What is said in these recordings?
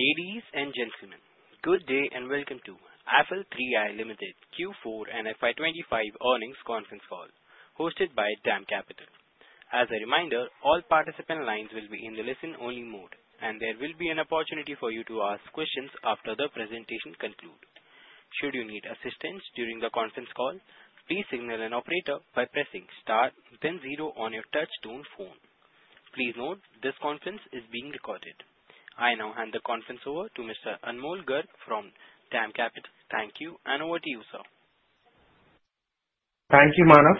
Ladies and gentlemen, good day and welcome to Affle 3i Limited Q4 and FY 2025 Earnings Conference Call, hosted by DAM Capital. As a reminder, all participant lines will be in the listen-only mode, and there will be an opportunity for you to ask questions after the presentation concludes. Should you need assistance during the conference call, please signal an operator by pressing * then 0 on your touch-tone phone. Please note, this conference is being recorded. I now hand the conference over to Mr. Anmol Garg from DAM Capital. Thank you, and over to you, sir. Thank you, Manaf.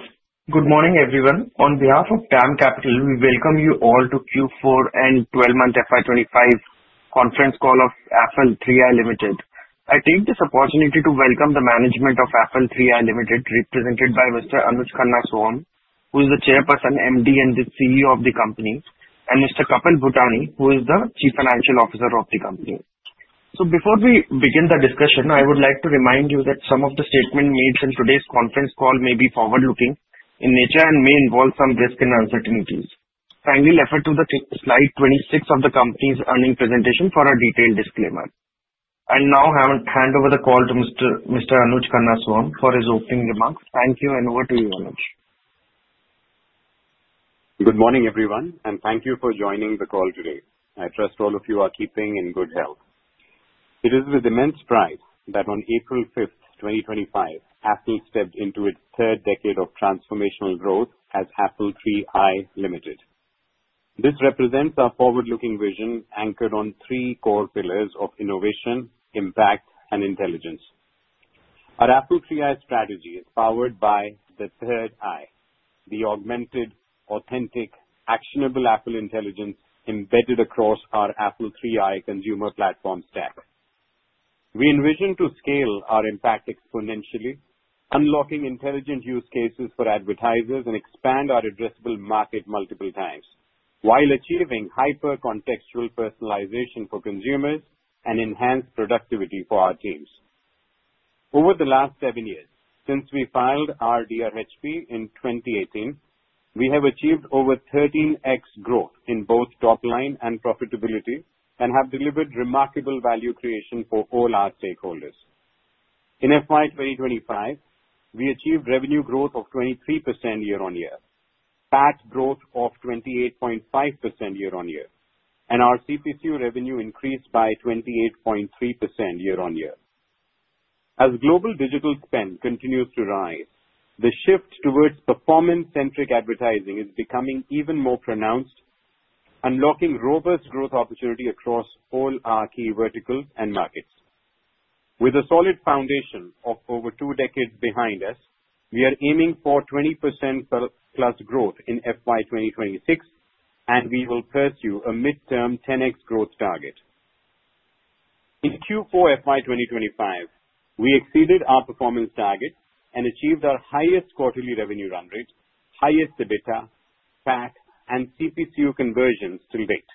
Good morning, everyone. On behalf of DAM Capital, we welcome you all to Q4 and 12-month FY 2025 conference call of Affle 3i Limited. I take this opportunity to welcome the management of Affle 3i Limited, represented by Mr. Anuj Khanna Sohum, who is the Chairperson, MD, and the CEO of the company, and Mr. Kapil Bhutani, who is the Chief Financial Officer of the company. Before we begin the discussion, I would like to remind you that some of the statements made in today's conference call may be forward-looking in nature and may involve some risk and uncertainties. Kindly refer to slide 26 of the company's earnings presentation for a detailed disclaimer. I now hand over the call to Mr. Anuj Khanna Sohum for his opening remarks. Thank you, and over to you, Anuj. Good morning, everyone, and thank you for joining the call today. I trust all of you are keeping in good health. It is with immense pride that on April 5th, 2025, Affle stepped into its third decade of transformational growth as Affle 3i Limited. This represents our forward-looking vision anchored on three core pillars of innovation, impact, and intelligence. Our Affle 3i strategy is powered by the third eye, the augmented, authentic, actionable Affle intelligence embedded across our Affle 3i consumer platform stack. We envision to scale our impact exponentially, unlocking intelligent use cases for advertisers and expand our addressable market multiple times while achieving hyper-contextual personalization for consumers and enhanced productivity for our teams. Over the last seven years, since we filed our DRHP in 2018, we have achieved over 13x growth in both top line and profitability and have delivered remarkable value creation for all our stakeholders. In FY 2025, we achieved revenue growth of 23% year-on-year, PAT growth of 28.5% year-on-year, and our CPCU revenue increased by 28.3% year-on-year. As global digital spend continues to rise, the shift towards performance-centric advertising is becoming even more pronounced, unlocking robust growth opportunity across all our key verticals and markets. With a solid foundation of over two decades behind us, we are aiming for 20% plus growth in FY 2026, and we will pursue a midterm 10x growth target. In Q4 FY 2025, we exceeded our performance target and achieved our highest quarterly revenue run rate, highest EBITDA, PAT, and CPCU conversions to date.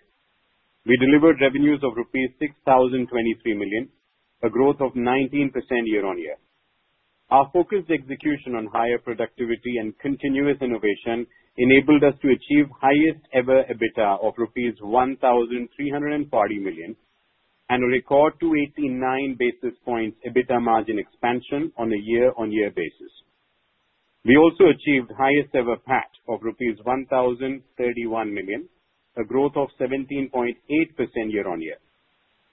We delivered revenues of rupees 6,023 million, a growth of 19% year-on-year. Our focused execution on higher productivity and continuous innovation enabled us to achieve highest-ever EBITDA of rupees 1,340 million and a record 289 basis points EBITDA margin expansion on a year-on-year basis. We also achieved highest-ever PAT of rupees 1,031 million, a growth of 17.8% year-on-year.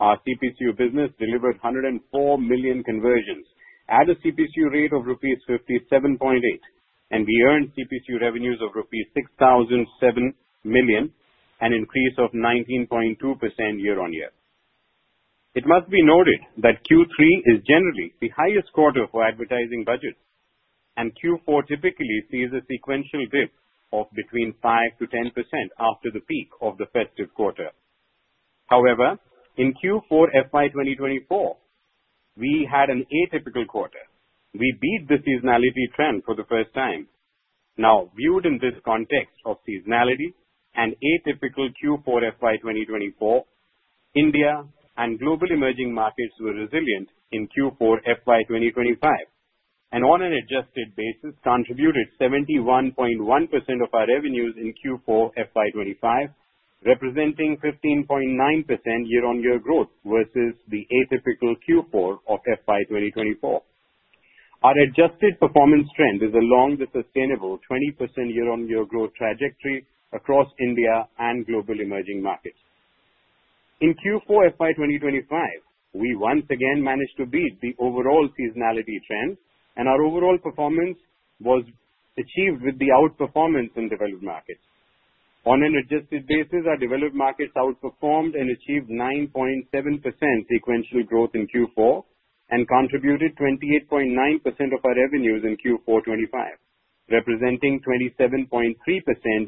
Our CPCU business delivered 104 million conversions at a CPCU rate of rupees 57.8, and we earned CPCU revenues of rupees 6,007 million and an increase of 19.2% year-on-year. It must be noted that Q3 is generally the highest quarter for advertising budgets, and Q4 typically sees a sequential dip of between 5%-10% after the peak of the festive quarter. However, in Q4 FY 2024, we had an atypical quarter. We beat the seasonality trend for the first time. Now, viewed in this context of seasonality and atypical Q4 FY 2024, India and global emerging markets were resilient in Q4 FY 2025 and, on an adjusted basis, contributed 71.1% of our revenues in Q4 FY 2025, representing 15.9% year-on-year growth versus the atypical Q4 of FY 2024. Our adjusted performance trend is along the sustainable 20% year-on-year growth trajectory across India and global emerging markets. In Q4 FY 2025, we once again managed to beat the overall seasonality trend, and our overall performance was achieved with the outperformance in developed markets. On an adjusted basis, our developed markets outperformed and achieved 9.7% sequential growth in Q4 and contributed 28.9% of our revenues in Q4 2025, representing 27.3%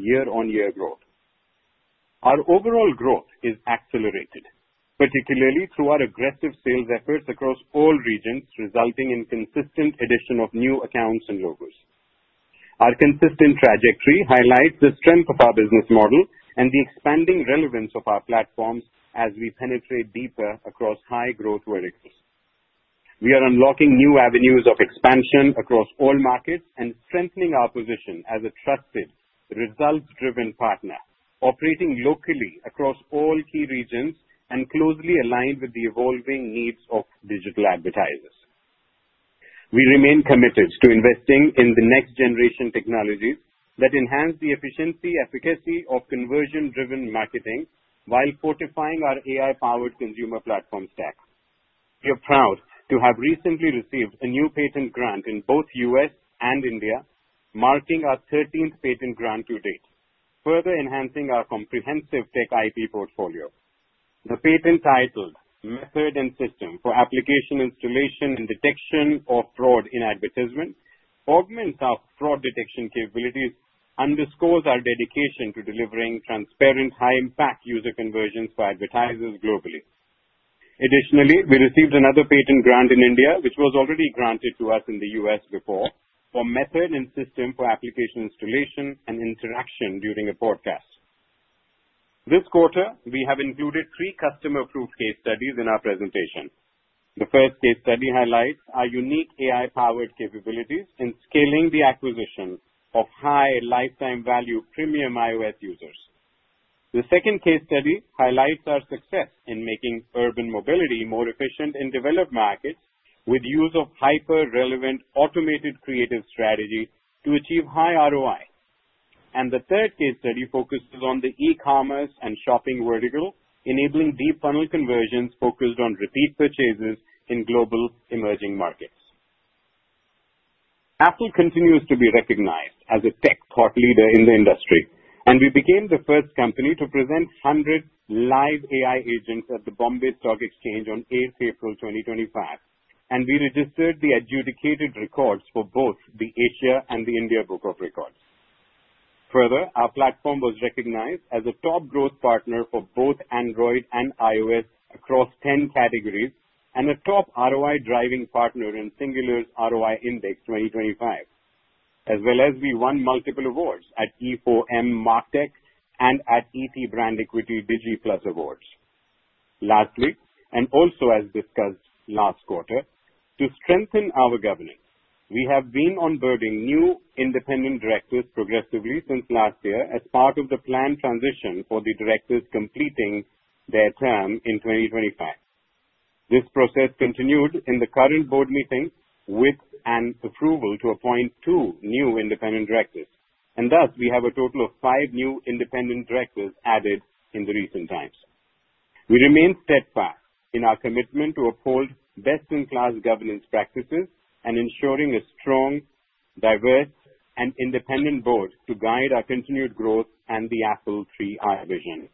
year-on-year growth. Our overall growth is accelerated, particularly through our aggressive sales efforts across all regions, resulting in consistent addition of new accounts and logos. Our consistent trajectory highlights the strength of our business model and the expanding relevance of our platforms as we penetrate deeper across high-growth verticals. We are unlocking new avenues of expansion across all markets and strengthening our position as a trusted, results-driven partner, operating locally across all key regions and closely aligned with the evolving needs of digital advertisers. We remain committed to investing in the next-generation technologies that enhance the efficiency and efficacy of conversion-driven marketing while fortifying our AI-powered consumer platform stack. We are proud to have recently received a new patent grant in both the US and India, marking our 13th patent grant to date, further enhancing our comprehensive tech IP portfolio. The patent titled "Method and System for Application Installation and Detection of Fraud in Advertisement" augments our fraud detection capabilities and underscores our dedication to delivering transparent, high-impact user conversions for advertisers globally. Additionally, we received another patent grant in India, which was already granted to us in the US before, for "Method and System for Application Installation and Interaction During a Broadcast." This quarter, we have included three customer-proof case studies in our presentation. The first case study highlights our unique AI-powered capabilities in scaling the acquisition of high lifetime value premium iOS users. The second case study highlights our success in making urban mobility more efficient in developed markets with the use of hyper-relevant automated creative strategies to achieve high ROI. The third case study focuses on the e-commerce and shopping vertical, enabling deep funnel conversions focused on repeat purchases in global emerging markets. Affle continues to be recognized as a tech thought leader in the industry, and we became the first company to present 100 live AI agents at the Bombay Stock Exchange on 8th April 2025, and we registered the adjudicated records for both the Asia and the India Book of Records. Further, our platform was recognized as a top growth partner for both Android and iOS across 10 categories and a top ROI-driving partner in Singular's ROI Index 2025, as well as we won multiple awards at e4m MarTech and at ET BrandEquity Digiplus Awards. Lastly, and also as discussed last quarter, to strengthen our governance, we have been onboarding new independent directors progressively since last year as part of the planned transition for the directors completing their term in 2025. This process continued in the current board meeting with an approval to appoint two new independent directors, and thus we have a total of five new independent directors added in the recent times. We remain steadfast in our commitment to uphold best-in-class governance practices and ensuring a strong, diverse, and independent board to guide our continued growth and the Affle 3i vision.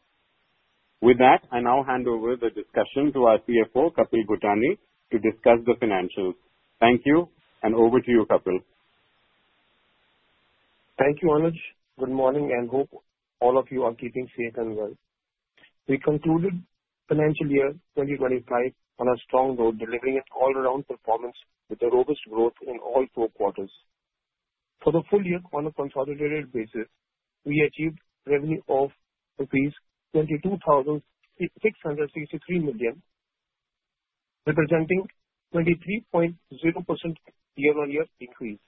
With that, I now hand over the discussion to our CFO, Kapil Bhutani, to discuss the financials. Thank you, and over to you, Kapil. Thank you, Anuj. Good morning, and hope all of you are keeping safe and well. We concluded financial year 2025 on a strong note, delivering an all-around performance with robust growth in all four quarters. For the full year, on a consolidated basis, we achieved revenue of rupees 22,663 million, representing a 23.0% year-on-year increase.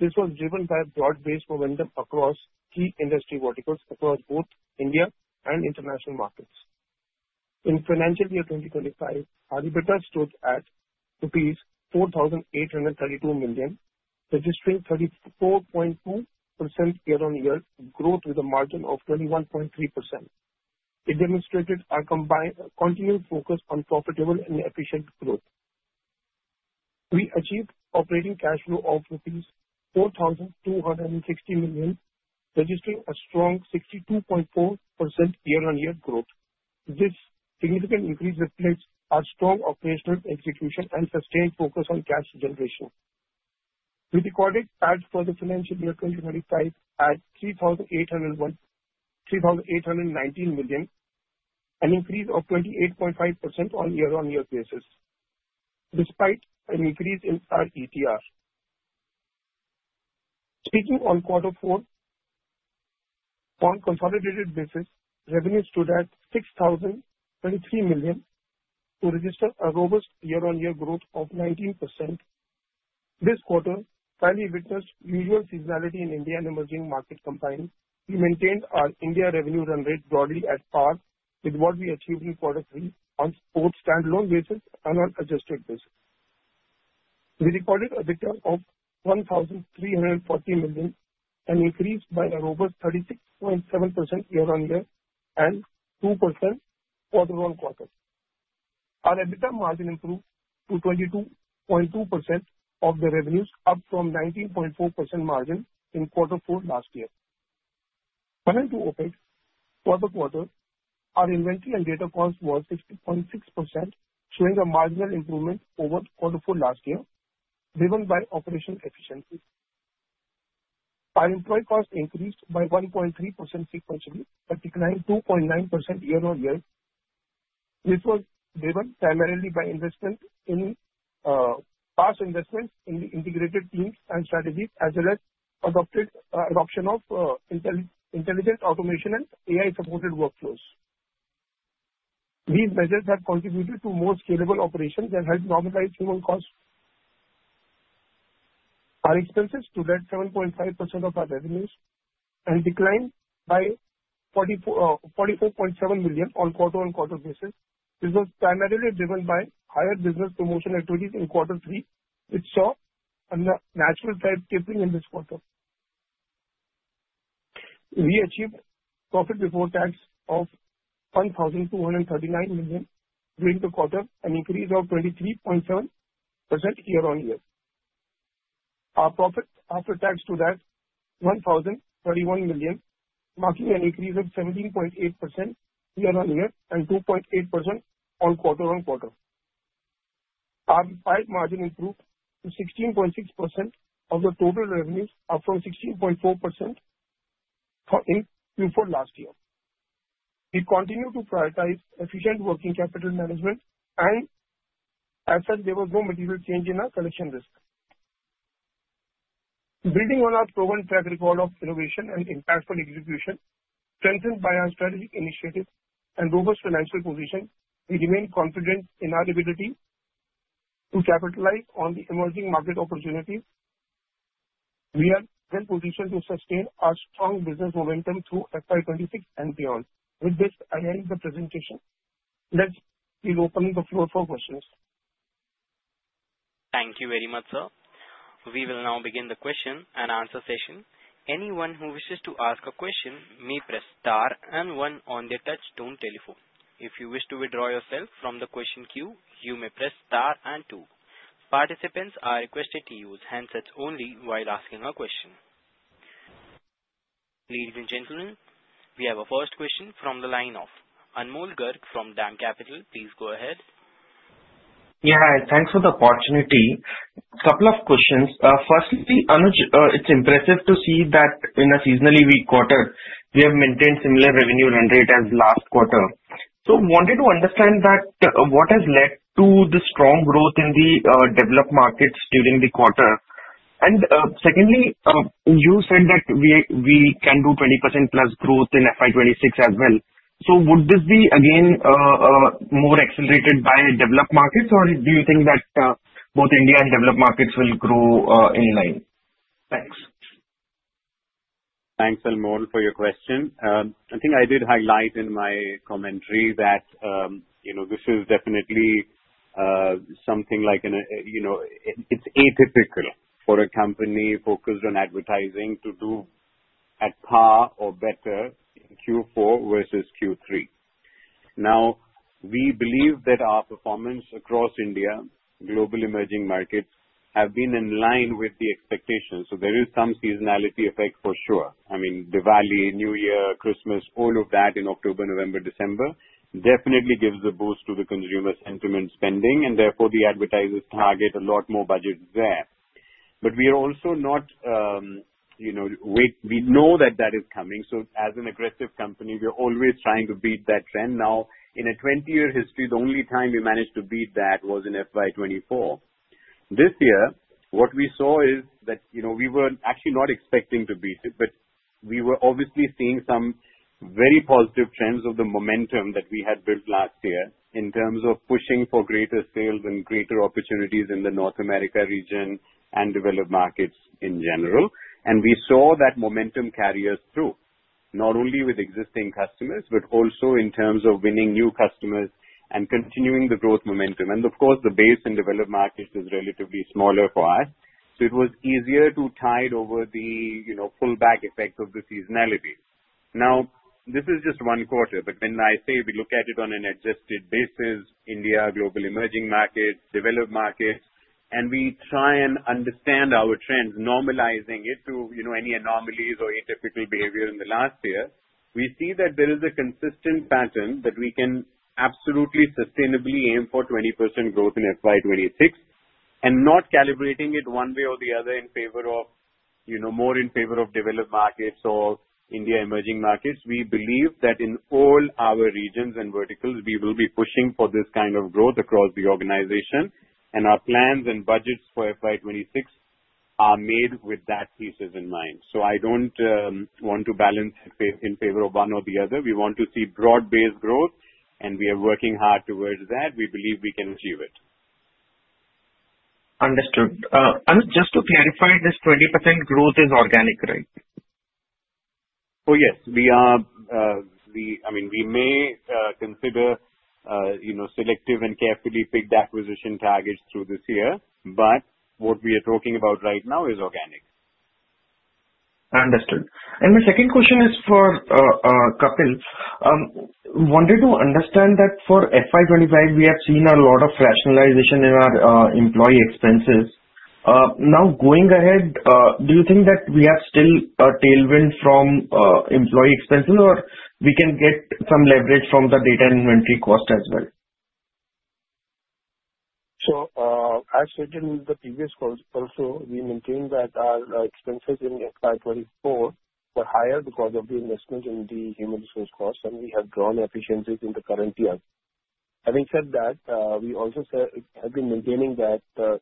This was driven by a broad-based momentum across key industry verticals across both India and international markets. In financial year 2025, our EBITDA stood at rupees 4,832 million, registering a 34.2% year-on-year growth with a margin of 21.3%. It demonstrated our continued focus on profitable and efficient growth. We achieved operating cash flow of rupees 4,260 million, registering a strong 62.4% year-on-year growth. This significant increase reflects our strong operational execution and sustained focus on cash generation. We recorded PAT for the financial year 2025 at 3,819 million, an increase of 28.5% on a year-on-year basis, despite an increase in our ETR. Speaking on quarter four, on a consolidated basis, revenues stood at 6,023 million to register a robust year-on-year growth of 19%. This quarter finally witnessed usual seasonality in India and emerging markets combined. We maintained our India revenue run rate broadly at par with what we achieved in quarter three on both standalone basis and on an adjusted basis. We recorded EBITDA of 1,340 million, an increase by a robust 36.7% year-on-year and 2% quarter-on-quarter. Our EBITDA margin improved to 22.2% of the revenues, up from a 19.4% margin in quarter four last year. Coming to OpEx, quarter to quarter, our inventory and data costs were 60.6%, showing a marginal improvement over quarter four last year, driven by operational efficiency. Our employee costs increased by 1.3% sequentially, a decline of 2.9% year-on-year, which was driven primarily by investment in past investments in the integrated teams and strategies, as well as adoption of intelligent automation and AI-supported workflows. These measures have contributed to more scalable operations and helped normalize human costs. Our expenses stood at 7.5% of our revenues and declined by 44.7 million on quarter-on-quarter basis. This was primarily driven by higher business promotion activities in quarter three, which saw a natural-type tapering in this quarter. We achieved profit before tax of 1,239 million during the quarter, an increase of 23.7% year-on-year. Our profit after tax stood at 1,031 million, marking an increase of 17.8% year-on-year and 2.8% on quarter-on-quarter. Our PAT margin improved to 16.6% of the total revenues, up from 16.4% in Q4 last year. We continue to prioritize efficient working capital management, and as such, there was no material change in our collection risk. Building on our proven track record of innovation and impactful execution, strengthened by our strategic initiatives and robust financial position, we remain confident in our ability to capitalize on the emerging market opportunities. We are well-positioned to sustain our strong business momentum through FY 2026 and beyond. With this, I end the presentation. Next, we're opening the floor for questions. Thank you very much, sir. We will now begin the question and answer session. Anyone who wishes to ask a question may press star and one on the touchstone telephone. If you wish to withdraw yourself from the question queue, you may press star and two. Participants are requested to use handsets only while asking a question. Ladies and gentlemen, we have a first question from the line of Anmol Garg from DAM Capital. Please go ahead. Yeah, thanks for the opportunity. A couple of questions. Firstly, Anuj, it's impressive to see that in a seasonally weak quarter, we have maintained a similar revenue run rate as last quarter. I wanted to understand what has led to the strong growth in the developed markets during the quarter. Secondly, you said that we can do 20%+ growth in FY 2026 as well. Would this be again more accelerated by developed markets, or do you think that both India and developed markets will grow in line? Thanks. Thanks, Anmol, for your question. I think I did highlight in my commentary that this is definitely something like an, it's atypical for a company focused on advertising to do at par or better in Q4 versus Q3. Now, we believe that our performance across India, global emerging markets, has been in line with the expectations. There is some seasonality effect for sure. I mean, Diwali, New Year, Christmas, all of that in October, November, December definitely gives a boost to the consumer sentiment spending, and therefore the advertisers target a lot more budgets there. We are also not, we know that that is coming. As an aggressive company, we are always trying to beat that trend. In a 20-year history, the only time we managed to beat that was in FY 2024. This year, what we saw is that we were actually not expecting to beat it, but we were obviously seeing some very positive trends of the momentum that we had built last year in terms of pushing for greater sales and greater opportunities in the North America region and developed markets in general. We saw that momentum carry us through, not only with existing customers, but also in terms of winning new customers and continuing the growth momentum. Of course, the base in developed markets is relatively smaller for us, so it was easier to tide over the pullback effect of the seasonality. Now, this is just one quarter, but when I say we look at it on an adjusted basis, India, global emerging markets, developed markets, and we try and understand our trends, normalizing it to any anomalies or atypical behavior in the last year, we see that there is a consistent pattern that we can absolutely sustainably aim for 20% growth in FY 2026 and not calibrating it one way or the other in favor of, more in favor of developed markets or India emerging markets. We believe that in all our regions and verticals, we will be pushing for this kind of growth across the organization, and our plans and budgets for FY 2026 are made with that thesis in mind. I do not want to balance in favor of one or the other. We want to see broad-based growth, and we are working hard towards that. We believe we can achieve it. Understood. Anuj, just to clarify, this 20% growth is organic, right? Oh, yes. I mean, we may consider selective and carefully picked acquisition targets through this year, but what we are talking about right now is organic. Understood. My second question is for Kapil. I wanted to understand that for FY 2025, we have seen a lot of rationalization in our employee expenses. Now, going ahead, do you think that we have still a tailwind from employee expenses, or we can get some leverage from the data and inventory cost as well? As stated in the previous quarter also, we maintain that our expenses in FY 2024 were higher because of the investment in the human resource costs, and we have drawn efficiencies in the current year. Having said that, we also have been maintaining that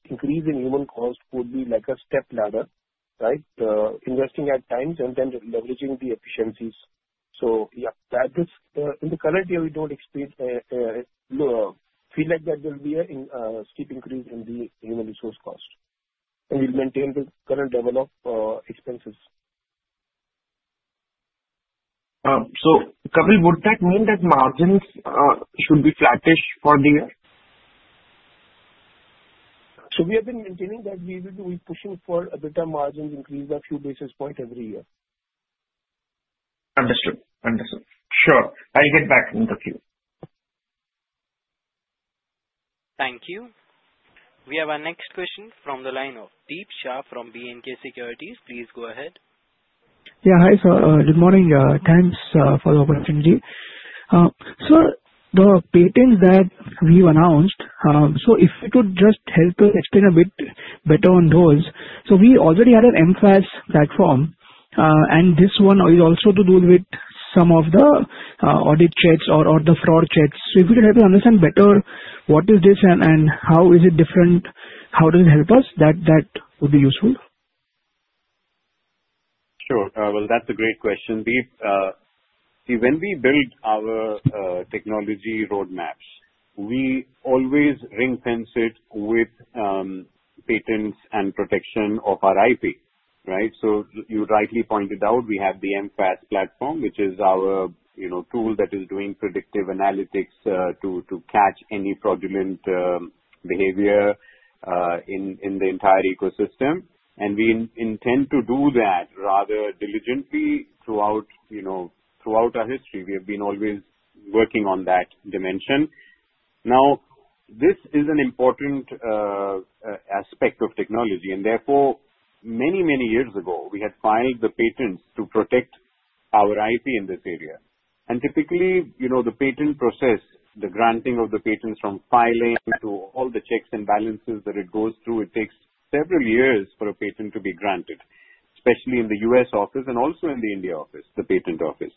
increase in human cost would be like a step ladder, right? Investing at times and then leveraging the efficiencies. Yeah, in the current year, we don't expect, feel like there will be a steep increase in the human resource cost, and we'll maintain the current level of expenses. Kapil, would that mean that margins should be flattish for the year? We have been maintaining that we will be pushing for EBITDA margins to increase by a few basis points every year. Understood. Understood. Sure. I'll get back in the queue. Thank you. We have our next question from the line of Deep Shah from B&K Securities. Please go ahead. Yeah, hi, sir. Good morning. Thanks for the opportunity. The patents that we've announced, if you could just help us explain a bit better on those. We already had an MFAs platform, and this one is also to do with some of the audit checks or the fraud checks. If you could help us understand better what this is and how it is different, how does it help us, that would be useful. Sure. That is a great question. See, when we build our technology roadmaps, we always ring-fence it with patents and protection of our IP, right? You rightly pointed out, we have the MFA platform, which is our tool that is doing predictive analytics to catch any fraudulent behavior in the entire ecosystem. We intend to do that rather diligently throughout our history. We have been always working on that dimension. This is an important aspect of technology, and therefore, many years ago, we had filed the patents to protect our IP in this area. Typically, the patent process, the granting of the patents from filing to all the checks and balances that it goes through, takes several years for a patent to be granted, especially in the U.S. office and also in the India office, the patent office.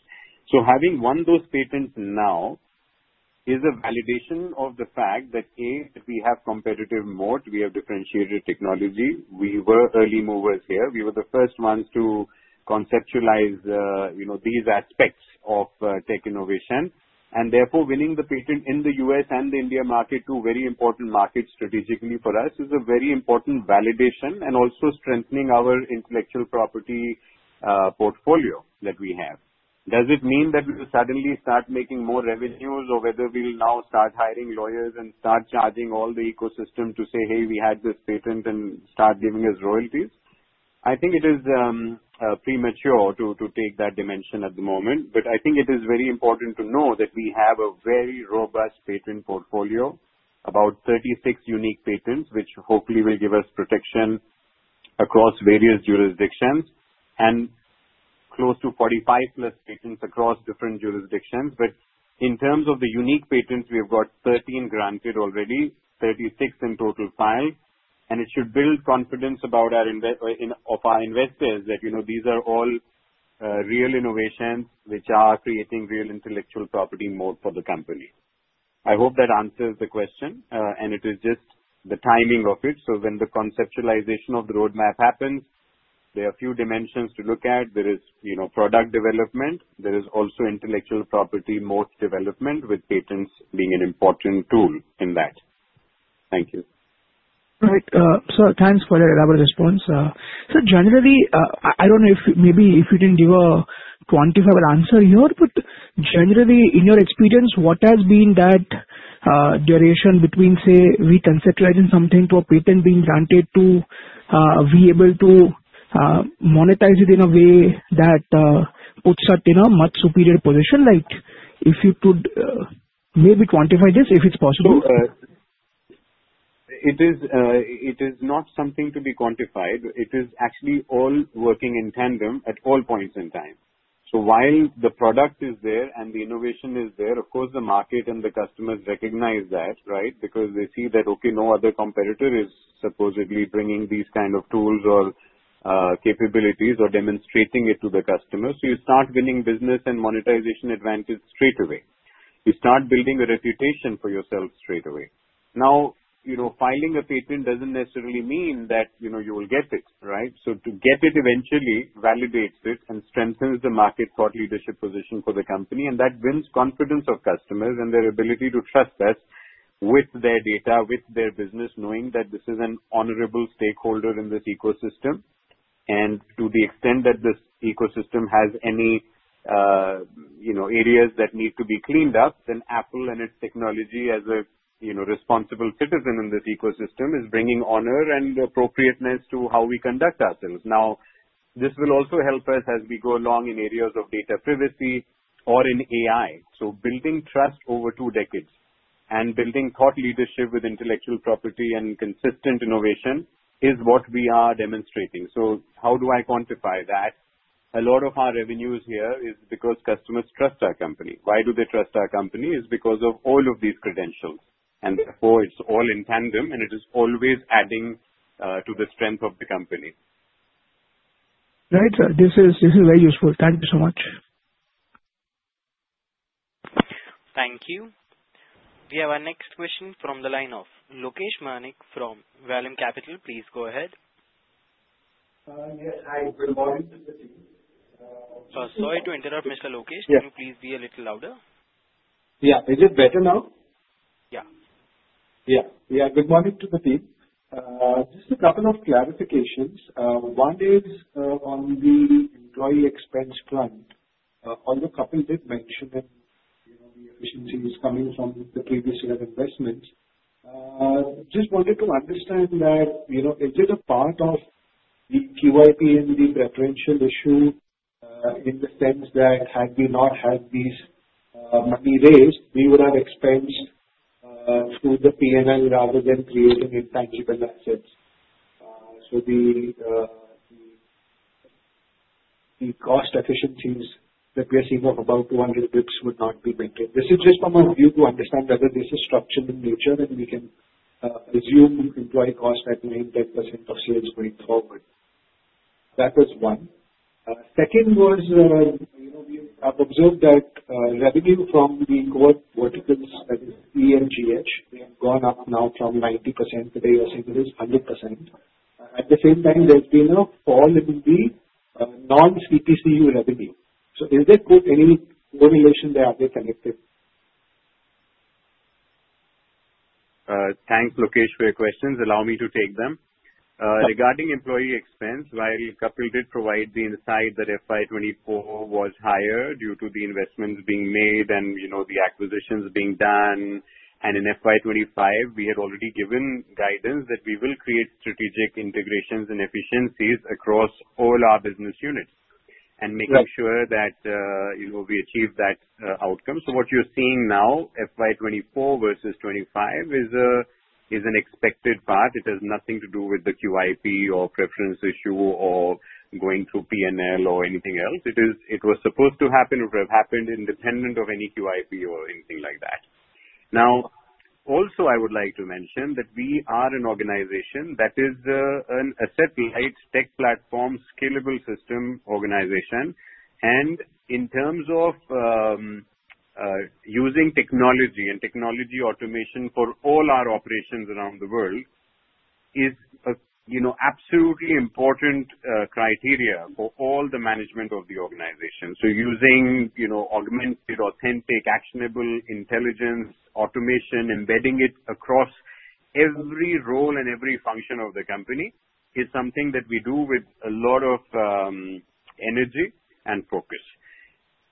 Having won those patents now is a validation of the fact that, A, we have competitive moat, we have differentiated technology, we were early movers here, we were the first ones to conceptualize these aspects of tech innovation, and therefore, winning the patent in the US and the India market, two very important markets strategically for us, is a very important validation and also strengthening our intellectual property portfolio that we have. Does it mean that we will suddenly start making more revenues, or whether we will now start hiring lawyers and start charging all the ecosystem to say, "Hey, we had this patent," and start giving us royalties? I think it is premature to take that dimension at the moment, but I think it is very important to know that we have a very robust patent portfolio, about 36 unique patents, which hopefully will give us protection across various jurisdictions and close to 45+ patents across different jurisdictions. In terms of the unique patents, we have got 13 granted already, 36 in total filed, and it should build confidence about our investors that these are all real innovations which are creating real intellectual property moat for the company. I hope that answers the question, and it is just the timing of it. When the conceptualization of the roadmap happens, there are a few dimensions to look at. There is product development. There is also intellectual property moat development with patents being an important tool in that. Thank you. All right. Sir, thanks for the elaborate response. Sir, generally, I don't know if maybe if you didn't give a quantifiable answer here, but generally, in your experience, what has been that duration between, say, we conceptualizing something to a patent being granted to be able to monetize it in a way that puts that in a much superior position? Like, if you could maybe quantify this, if it's possible. Sure. It is not something to be quantified. It is actually all working in tandem at all points in time. While the product is there and the innovation is there, of course, the market and the customers recognize that, right? Because they see that, okay, no other competitor is supposedly bringing these kind of tools or capabilities or demonstrating it to the customers. You start winning business and monetization advantage straight away. You start building a reputation for yourself straight away. Now, filing a patent does not necessarily mean that you will get it, right? To get it eventually validates it and strengthens the market thought leadership position for the company, and that builds confidence of customers and their ability to trust us with their data, with their business, knowing that this is an honorable stakeholder in this ecosystem. To the extent that this ecosystem has any areas that need to be cleaned up, Affle and its technology as a responsible citizen in this ecosystem is bringing honor and appropriateness to how we conduct ourselves. This will also help us as we go along in areas of data privacy or in AI. Building trust over two decades and building thought leadership with intellectual property and consistent innovation is what we are demonstrating. How do I quantify that? A lot of our revenues here is because customers trust our company. Why do they trust our company? It's because of all of these credentials. Therefore, it's all in tandem, and it is always adding to the strength of the company. Right. This is very useful. Thank you so much. Thank you. We have our next question from the line of Lokesh Manik from Vallum Capital. Please go ahead. Yes. Hi. Good morning to the team. Sorry to interrupt, Mr. Lokesh. Can you please be a little louder? Yeah. Is it better now? Yeah. Yeah. Yeah. Good morning to the team. Just a couple of clarifications. One is on the employee expense grant. Although Kapil did mention the efficiencies coming from the previous year investments, just wanted to understand that is it a part of the QIP and the preferential issue in the sense that had we not had these money raised, we would have expensed through the P&L rather than creating intangible assets? So, the cost efficiencies that we are seeing of about 200 basis points would not be maintained. This is just from a view to understand whether this is structural in nature and we can assume employee cost at 9%-10% of sales going forward. That was one. Second was, we have observed that revenue from the core verticals, that is EMGH, they have gone up now from 90% to, they are saying, it is 100%. At the same time, there's been a fall in the non-CPCU revenue. Is there any correlation? Are they connected? Thanks, Lokesh, for your questions. Allow me to take them. Regarding employee expense, while Kapil did provide the insight that FY 2024 was higher due to the investments being made and the acquisitions being done, and in FY 2025, we had already given guidance that we will create strategic integrations and efficiencies across all our business units and making sure that we achieve that outcome. What you are seeing now, FY 2024 versus 2025, is an expected path. It has nothing to do with the QIP or preference issue or going through P&L or anything else. It was supposed to happen or have happened independent of any QIP or anything like that. I would also like to mention that we are an organization that is an asset-light tech platform scalable system organization. In terms of using technology and technology automation for all our operations around the world, it is an absolutely important criteria for all the management of the organization. Using augmented, authentic, actionable intelligence, automation, embedding it across every role and every function of the company is something that we do with a lot of energy and focus,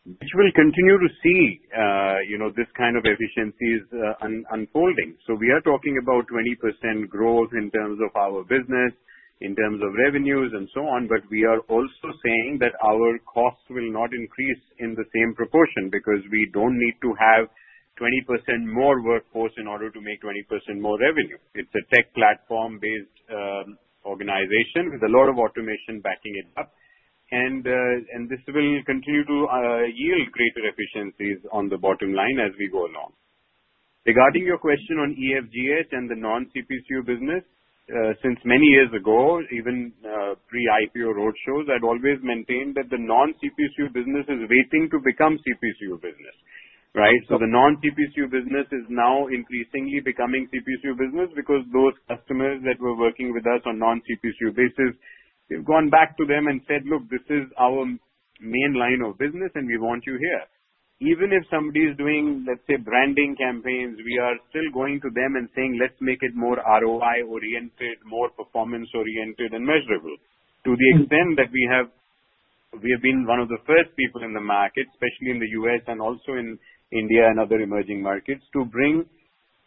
which we'll continue to see this kind of efficiencies unfolding. We are talking about 20% growth in terms of our business, in terms of revenues, and so on, but we are also saying that our costs will not increase in the same proportion because we don't need to have 20% more workforce in order to make 20% more revenue. It's a tech platform-based organization with a lot of automation backing it up, and this will continue to yield greater efficiencies on the bottom line as we go along. Regarding your question on EFGH and the non-CPCU business, since many years ago, even pre-IPO road shows, I'd always maintained that the non-CPCU business is waiting to become CPCU business, right? The non-CPCU business is now increasingly becoming CPCU business because those customers that were working with us on a non-CPCU basis, we've gone back to them and said, "Look, this is our main line of business, and we want you here." Even if somebody is doing, let's say, branding campaigns, we are still going to them and saying, "Let's make it more ROI-oriented, more performance-oriented, and measurable," to the extent that we have been one of the first people in the market, especially in the U.S. and also in India and other emerging markets, to bring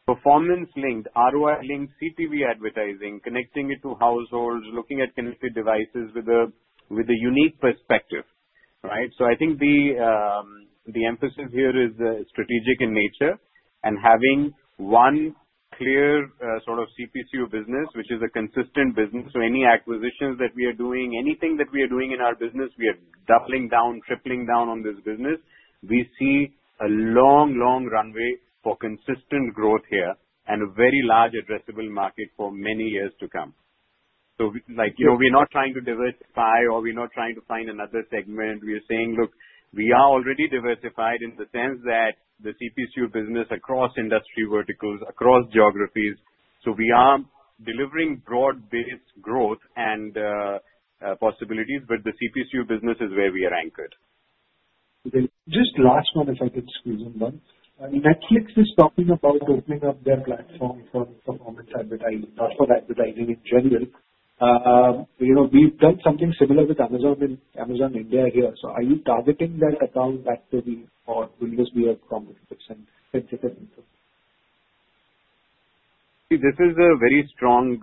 performance-linked, ROI-linked CTV advertising, connecting it to households, looking at connected devices with a unique perspective, right? I think the emphasis here is strategic in nature and having one clear sort of CPCU business, which is a consistent business. Any acquisitions that we are doing, anything that we are doing in our business, we are doubling down, tripling down on this business. We see a long, long runway for consistent growth here and a very large addressable market for many years to come. We're not trying to diversify or we're not trying to find another segment. We are saying, "Look, we are already diversified in the sense that the CPCU business across industry verticals, across geographies." We are delivering broad-based growth and possibilities, but the CPCU business is where we are anchored. Just last one, if I could squeeze in one. Netflix is talking about opening up their platform for performance advertising, not for advertising in general. We've done something similar with Amazon and Amazon India here. Are you targeting that account back to the, or will this be a common fix? See, this is a very strong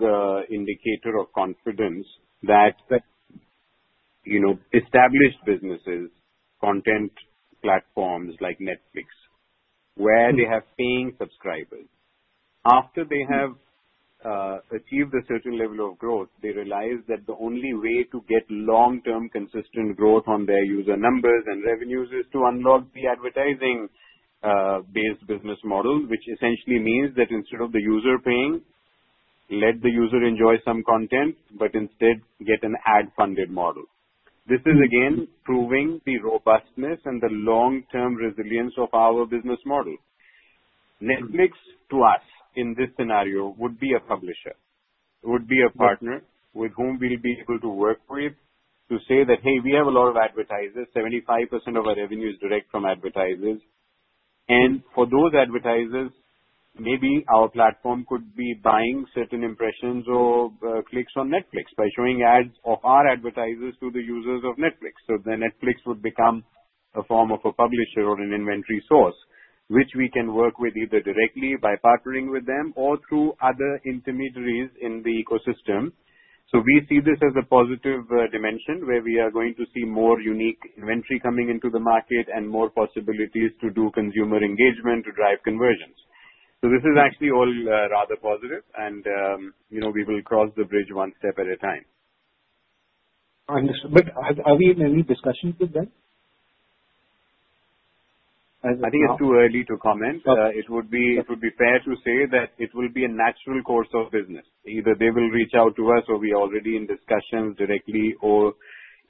indicator of confidence that established businesses, content platforms like Netflix, where they have paying subscribers, after they have achieved a certain level of growth, they realize that the only way to get long-term consistent growth on their user numbers and revenues is to unlock the advertising-based business model, which essentially means that instead of the user paying, let the user enjoy some content, but instead get an ad-funded model. This is, again, proving the robustness and the long-term resilience of our business model. Netflix, to us, in this scenario, would be a publisher, would be a partner with whom we'll be able to work with to say that, "Hey, we have a lot of advertisers. 75% of our revenue is direct from advertisers. For those advertisers, maybe our platform could be buying certain impressions or clicks on Netflix by showing ads of our advertisers to the users of Netflix. Netflix would become a form of a publisher or an inventory source, which we can work with either directly by partnering with them or through other intermediaries in the ecosystem. We see this as a positive dimension where we are going to see more unique inventory coming into the market and more possibilities to do consumer engagement to drive conversions. This is actually all rather positive, and we will cross the bridge one step at a time. Understood. Are we in any discussion with them? I think it's too early to comment. It would be fair to say that it will be a natural course of business. Either they will reach out to us or we are already in discussions directly, or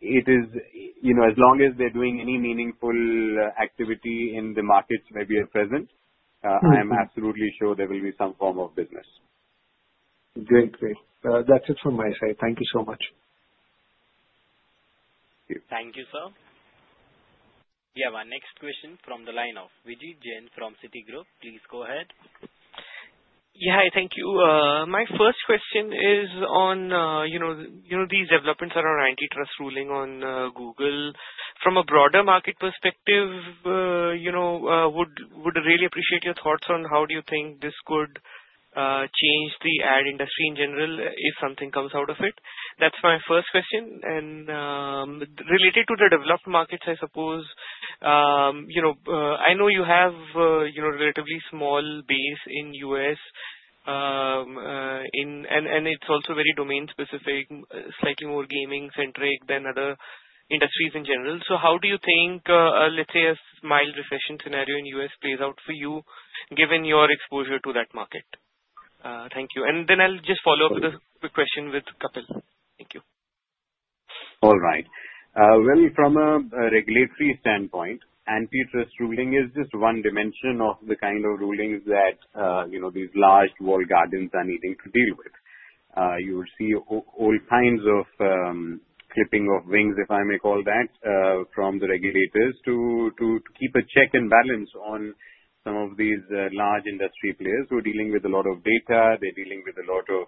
it is as long as they're doing any meaningful activity in the markets where we are present, I'm absolutely sure there will be some form of business. Great. Great. That's it from my side. Thank you so much. Thank you. Thank you, sir. We have our next question from the line of Vijit Jain from Citigroup. Please go ahead. Yeah. Hi. Thank you. My first question is on these developments around the antitrust ruling on Google. From a broader market perspective, would really appreciate your thoughts on how do you think this could change the ad industry in general if something comes out of it. That's my first question. Related to the developed markets, I suppose, I know you have a relatively small base in the U.S., and it's also very domain-specific, slightly more gaming-centric than other industries in general. How do you think, let's say, a mild recession scenario in the U.S. plays out for you given your exposure to that market? Thank you. I'll just follow up with a quick question with Kapil. Thank you. All right. From a regulatory standpoint, antitrust ruling is just one dimension of the kind of rulings that these large walled gardens are needing to deal with. You will see all kinds of clipping of wings, if I may call that, from the regulators to keep a check and balance on some of these large industry players who are dealing with a lot of data. They are dealing with a lot of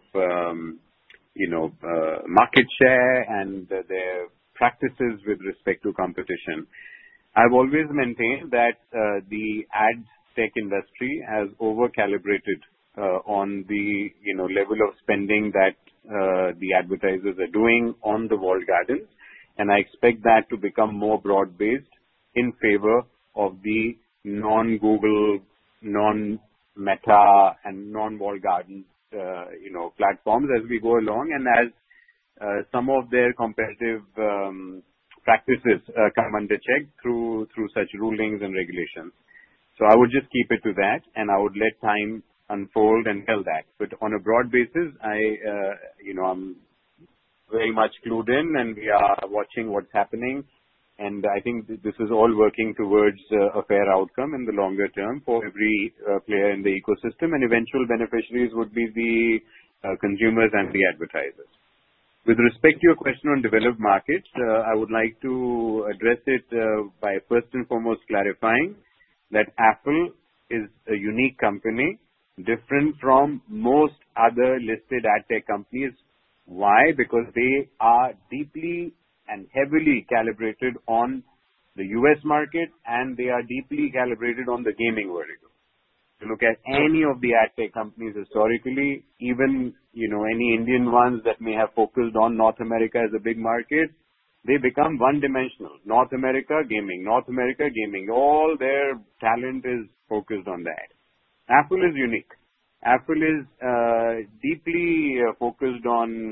market share and their practices with respect to competition. I have always maintained that the ad tech industry has over-calibrated on the level of spending that the advertisers are doing on the walled gardens, and I expect that to become more broad-based in favor of the non-Google, non-Meta, and non-walled garden platforms as we go along and as some of their competitive practices come under check through such rulings and regulations. I would just keep it to that, and I would let time unfold and tell that. On a broad basis, I'm very much clued in, and we are watching what's happening. I think this is all working towards a fair outcome in the longer term for every player in the ecosystem, and eventual beneficiaries would be the consumers and the advertisers. With respect to your question on developed markets, I would like to address it by first and foremost clarifying that Apple is a unique company, different from most other listed ad tech companies. Why? Because they are deeply and heavily calibrated on the U.S. market, and they are deeply calibrated on the gaming vertical. If you look at any of the ad tech companies historically, even any Indian ones that may have focused on North America as a big market, they become one-dimensional. North America gaming, North America gaming. All their talent is focused on that. Affle is unique. Affle is deeply focused on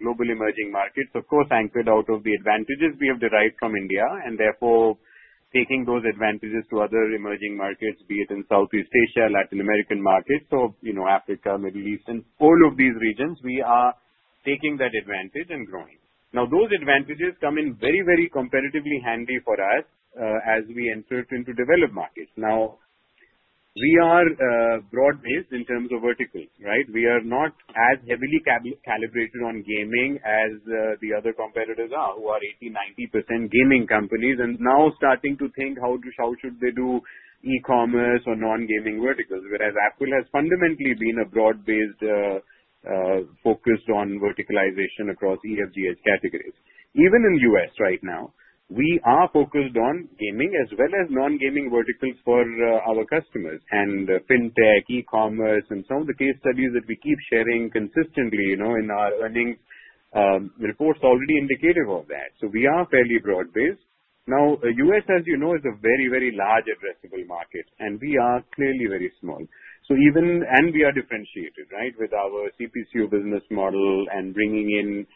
global emerging markets, of course, anchored out of the advantages we have derived from India, and therefore taking those advantages to other emerging markets, be it in Southeast Asia, Latin American markets, Africa, Middle East, and all of these regions, we are taking that advantage and growing. Now, those advantages come in very, very competitively handy for us as we enter into developed markets. Now, we are broad-based in terms of verticals, right? We are not as heavily calibrated on gaming as the other competitors are who are 80%-90% gaming companies and now starting to think how should they do e-commerce or non-gaming verticals, whereas Affle has fundamentally been a broad-based focus on verticalization across EFGH categories. Even in the U.S. right now, we are focused on gaming as well as non-gaming verticals for our customers and fintech, e-commerce, and some of the case studies that we keep sharing consistently in our earnings reports are already indicative of that. We are fairly broad-based. Now, the U.S., as you know, is a very, very large addressable market, and we are clearly very small. We are differentiated, right, with our CPCU business model and bringing in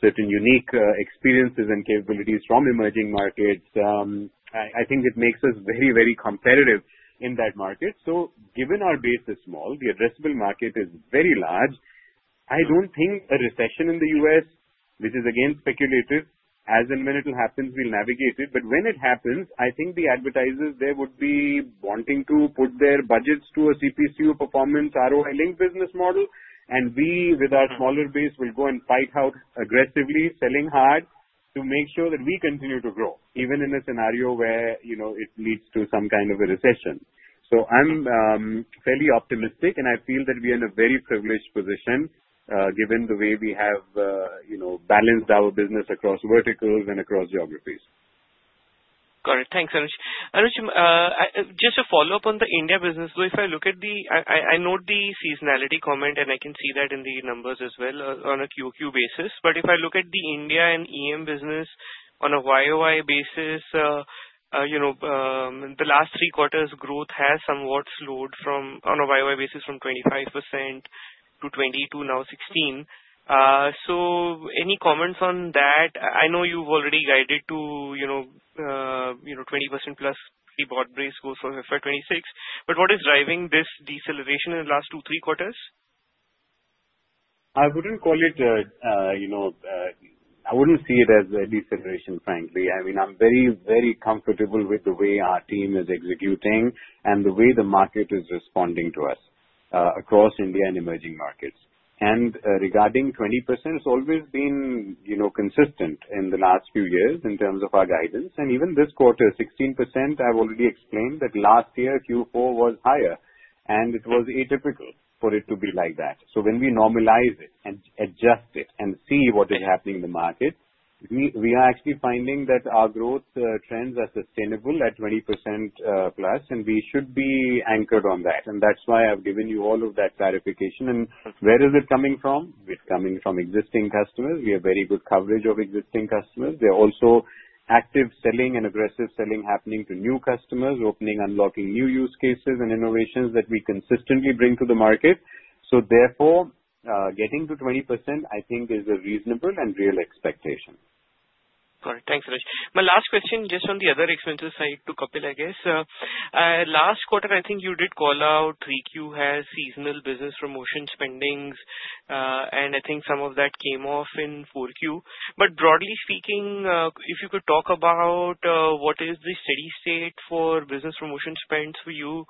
certain unique experiences and capabilities from emerging markets. I think it makes us very, very competitive in that market. Given our base is small, the addressable market is very large. I do not think a recession in the U.S., which is again speculative, as and when it will happen, we will navigate it. When it happens, I think the advertisers there would be wanting to put their budgets to a CPCU performance ROI-linked business model, and we, with our smaller base, will go and fight out aggressively, selling hard to make sure that we continue to grow, even in a scenario where it leads to some kind of a recession. I am fairly optimistic, and I feel that we are in a very privileged position given the way we have balanced our business across verticals and across geographies. Got it. Thanks, Anuj. Anuj, just a follow-up on the India business. If I look at the—I note the seasonality comment, and I can see that in the numbers as well on a QQ basis. If I look at the India and EM business on a YOI basis, the last three quarters' growth has somewhat slowed, on a YOI basis, from 25% to 20% to now 16%. Any comments on that? I know you've already guided to 20% plus the broad-based goals for 2026. What is driving this deceleration in the last two, three quarters? I wouldn't call it—I wouldn't see it as a deceleration, frankly. I mean, I'm very, very comfortable with the way our team is executing and the way the market is responding to us across India and emerging markets. Regarding 20%, it's always been consistent in the last few years in terms of our guidance. Even this quarter, 16%, I've already explained that last year, Q4 was higher, and it was atypical for it to be like that. When we normalize it and adjust it and see what is happening in the market, we are actually finding that our growth trends are sustainable at 20% plus, and we should be anchored on that. That is why I've given you all of that clarification. Where is it coming from? It's coming from existing customers. We have very good coverage of existing customers. There are also active selling and aggressive selling happening to new customers, opening, unlocking new use cases and innovations that we consistently bring to the market. Therefore, getting to 20% is a reasonable and real expectation. Got it. Thanks, Anuj. My last question, just on the other expensive side to Kapil, I guess. Last quarter, I think you did call out 3Q has seasonal business promotion spendings, and I think some of that came off in 4Q. Broadly speaking, if you could talk about what is the steady state for business promotion spends for you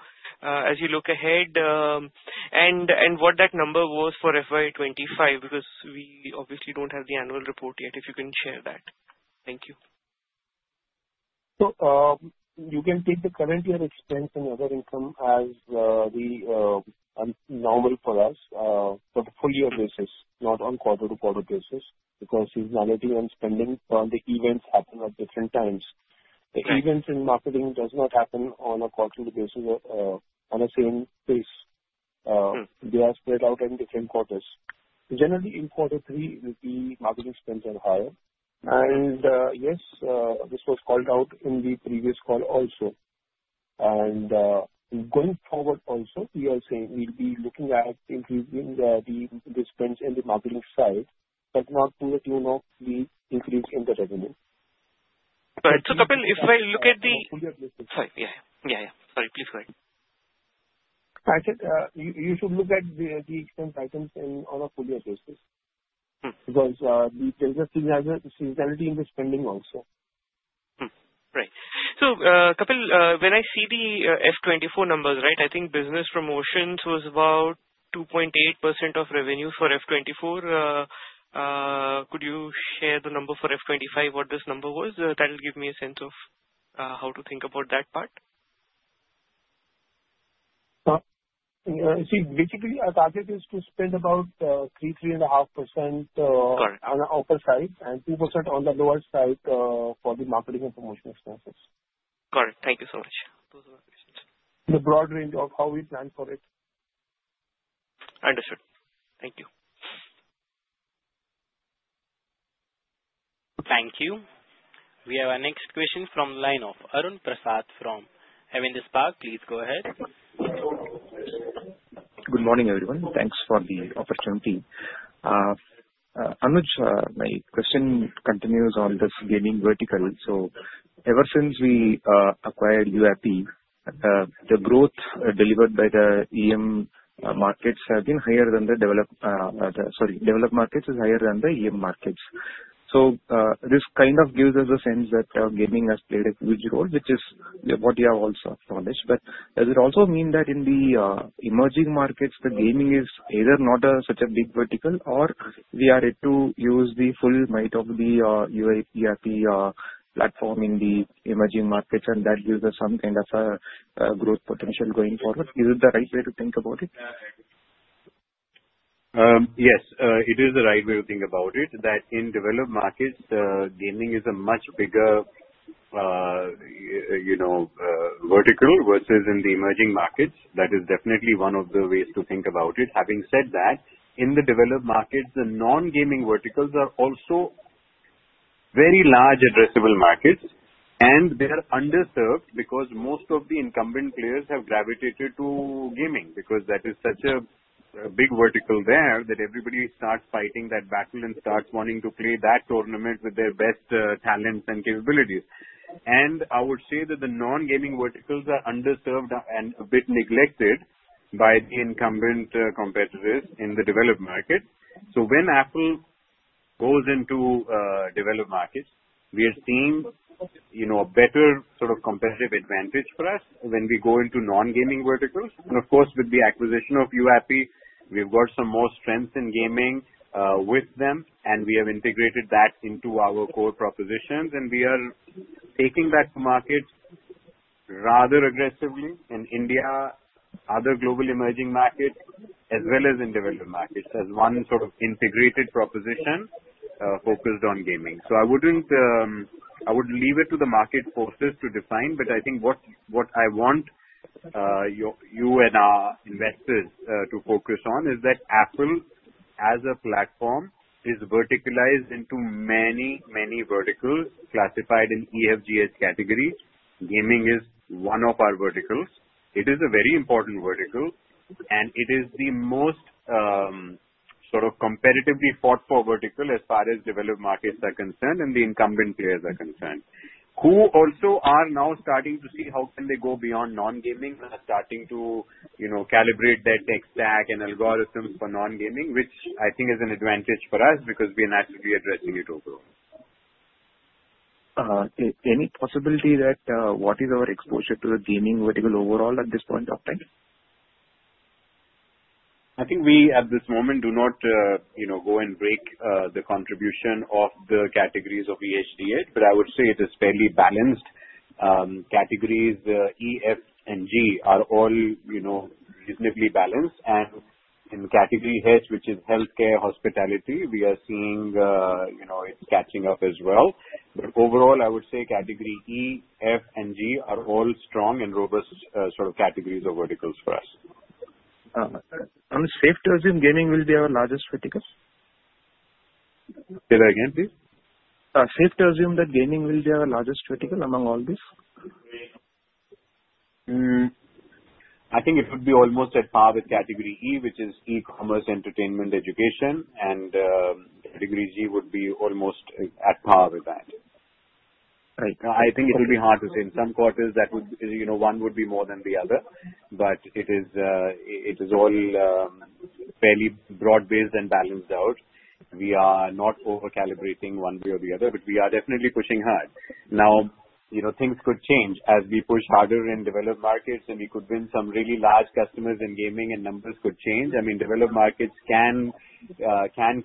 as you look ahead and what that number was for FY 2025 because we obviously do not have the annual report yet, if you can share that. Thank you. You can take the current year expense and other income as normal for us, but a full-year basis, not on quarter-to-quarter basis because seasonality and spending on the events happen at different times. The events and marketing do not happen on a quarterly basis on the same base. They are spread out in different quarters. Generally, in quarter three, the marketing spends are higher. Yes, this was called out in the previous call also. Going forward also, we are saying we'll be looking at increasing the spends in the marketing side, but not to the tune of the increase in the revenue. Right. So, Kapil, if I look at the— Sorry. Yeah. Yeah. Yeah. Sorry. Please go ahead. I said you should look at the expense items on a full-year basis because the seasonality in the spending also. Right. So, Kapil, when I see the FY 2024 numbers, right, I think business promotions was about 2.8% of revenue for FY 2024. Could you share the number for FY 2025, what this number was? That'll give me a sense of how to think about that part. See, basically, our target is to spend about 3%-3.5% on the upper side and 2% on the lower side for the marketing and promotion expenses. Got it. Thank you so much. The broad range of how we plan for it. Understood. Thank you. Thank you. We have our next question from the line of Arun Prasath from Avendus Spark. Please go ahead. Good morning, everyone. Thanks for the opportunity. Anuj, my question continues on this gaming vertical. Ever since we acquired UIP, the growth delivered by the EM markets has been higher than the developed—sorry, developed markets is higher than the EM markets. This kind of gives us a sense that gaming has played a huge role, which is what we have also acknowledged. Does it also mean that in the emerging markets, the gaming is either not such a big vertical or we are yet to use the full might of the UIP platform in the emerging markets, and that gives us some kind of a growth potential going forward? Is it the right way to think about it? Yes. It is the right way to think about it that in developed markets, gaming is a much bigger vertical versus in the emerging markets. That is definitely one of the ways to think about it. Having said that, in the developed markets, the non-gaming verticals are also very large addressable markets, and they are underserved because most of the incumbent players have gravitated to gaming because that is such a big vertical there that everybody starts fighting that battle and starts wanting to play that tournament with their best talents and capabilities. I would say that the non-gaming verticals are underserved and a bit neglected by the incumbent competitors in the developed markets. When Affle goes into developed markets, we have seen a better sort of competitive advantage for us when we go into non-gaming verticals. Of course, with the acquisition of UIP, we've got some more strength in gaming with them, and we have integrated that into our core propositions, and we are taking that market rather aggressively in India, other global emerging markets, as well as in developed markets as one sort of integrated proposition focused on gaming. I would leave it to the market forces to define, but I think what I want you and our investors to focus on is that Affle, as a platform, is verticalized into many, many verticals classified in EFGH categories. Gaming is one of our verticals. It is a very important vertical, and it is the most sort of competitively fought-for vertical as far as developed markets are concerned and the incumbent players are concerned, who also are now starting to see how can they go beyond non-gaming and starting to calibrate their tech stack and algorithms for non-gaming, which I think is an advantage for us because we are naturally addressing it overall. Any possibility that what is our exposure to the gaming vertical overall at this point of time? I think we, at this moment, do not go and break the contribution of the categories of EFGH, but I would say it is fairly balanced. Categories E, F, and G are all reasonably balanced, and in category H, which is healthcare, hospitality, we are seeing it's catching up as well. Overall, I would say category E, F, and G are all strong and robust sort of categories or verticals for us. Anuj, safe to assume gaming will be our largest vertical? Say that again, please. Safe to assume that gaming will be our largest vertical among all these? I think it would be almost at par with category E, which is e-commerce, entertainment, education, and category G would be almost at par with that. Right. I think it will be hard to say. In some quarters, one would be more than the other, but it is all fairly broad-based and balanced out. We are not over-calibrating one way or the other, but we are definitely pushing hard. Now, things could change as we push harder in developed markets, and we could win some really large customers in gaming, and numbers could change. I mean, developed markets can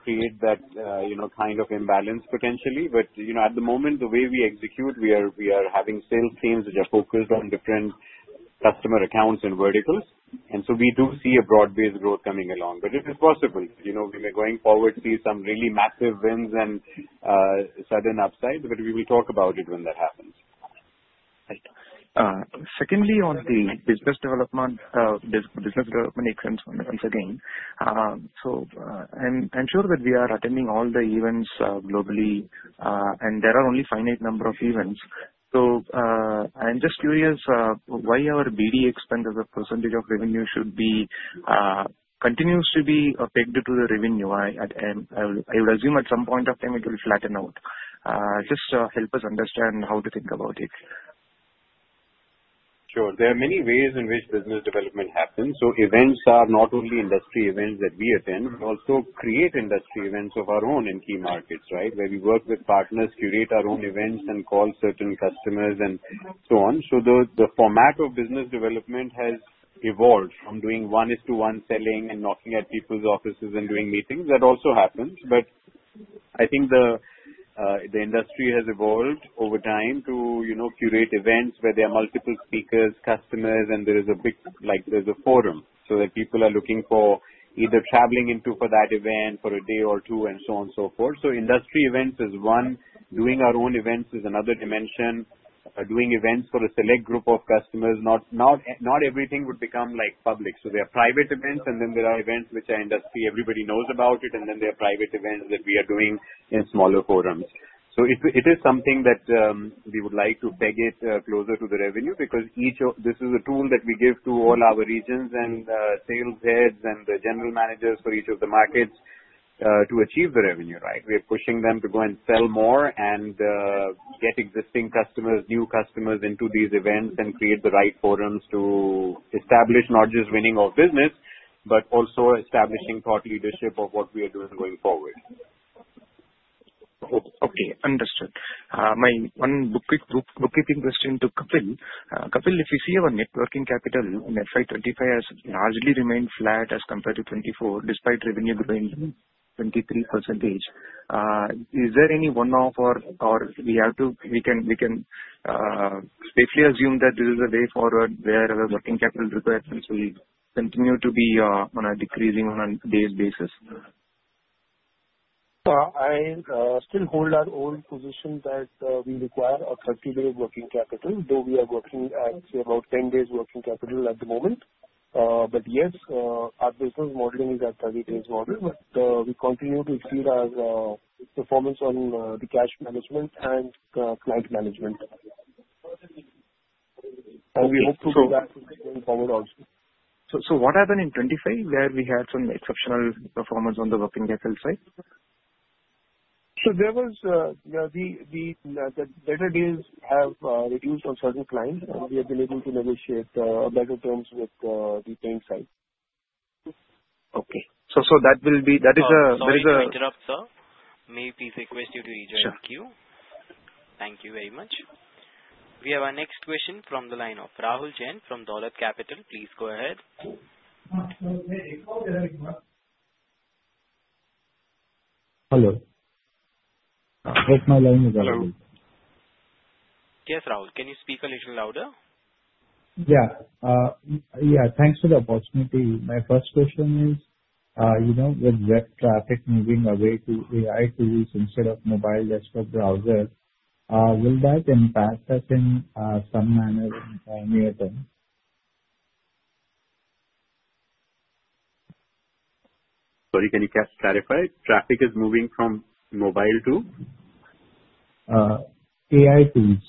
create that kind of imbalance potentially, but at the moment, the way we execute, we are having sales teams which are focused on different customer accounts and verticals. We do see a broad-based growth coming along. If it's possible, we may going forward see some really massive wins and sudden upsides, but we will talk about it when that happens. Right. Secondly, on the business development, business development expense once again. I'm sure that we are attending all the events globally, and there are only a finite number of events. I'm just curious why our BD expense as a percentage of revenue should be continues to be pegged to the revenue. I would assume at some point of time it will flatten out. Just help us understand how to think about it. Sure. There are many ways in which business development happens. Events are not only industry events that we attend, but also create industry events of our own in key markets, right, where we work with partners, curate our own events, and call certain customers and so on. The format of business development has evolved from doing one-to-one selling and knocking at people's offices and doing meetings. That also happens, but I think the industry has evolved over time to curate events where there are multiple speakers, customers, and there is a big forum so that people are looking for either traveling into for that event for a day or two and so on and so forth. Industry events is one. Doing our own events is another dimension. Doing events for a select group of customers, not everything would become public. There are private events, and then there are events which are industry—everybody knows about it, and then there are private events that we are doing in smaller forums. It is something that we would like to peg it closer to the revenue because this is a tool that we give to all our regions and sales heads and the general managers for each of the markets to achieve the revenue, right? We are pushing them to go and sell more and get existing customers, new customers into these events and create the right forums to establish not just winning of business, but also establishing thought leadership of what we are doing going forward. Okay. Understood. My one quick bookkeeping question to Kapil. Kapil, if you see our net working capital in FY 2025 has largely remained flat as compared to 2024 despite revenue growing 23%, is there any one-off or we have to—we can safely assume that this is a way forward where our working capital requirements will continue to be decreasing on a daily basis? I still hold our own position that we require a 30-day working capital, though we are working at about 10 days working capital at the moment. Yes, our business modeling is at 30-day model, but we continue to exceed our performance on the cash management and client management. We hope to do that going forward also. What happened in 2025 where we had some exceptional performance on the working capital side? There was—the better days have reduced on certain clients, and we have been able to negotiate better terms with the paying side. Okay. So, that will be—that is a— [Arun, I will interrupt, sir], may I please request you to rejoin the queue? Sure. Thank you very much. We have our next question from the line of Rahul Jain from Dolat Capital. Please go ahead. Hello. My line is unloaded. Yes, Rahul. Can you speak a little louder? Yeah. Yeah. Thanks for the opportunity. My first question is, with web traffic moving away to AI tools instead of mobile desktop browsers, will that impact us in some manner near term? Sorry, can you clarify? Traffic is moving from mobile to? AI tools.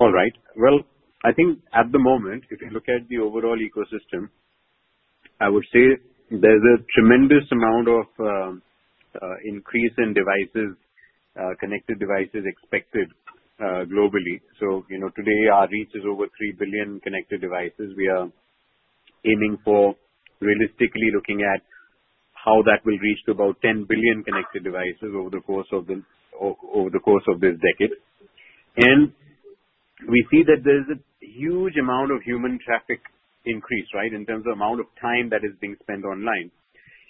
All right. I think at the moment, if you look at the overall ecosystem, I would say there's a tremendous amount of increase in devices, connected devices expected globally. Today, our reach is over 3 billion connected devices. We are aiming for realistically looking at how that will reach to about 10 billion connected devices over the course of this decade. We see that there's a huge amount of human traffic increase, right, in terms of the amount of time that is being spent online.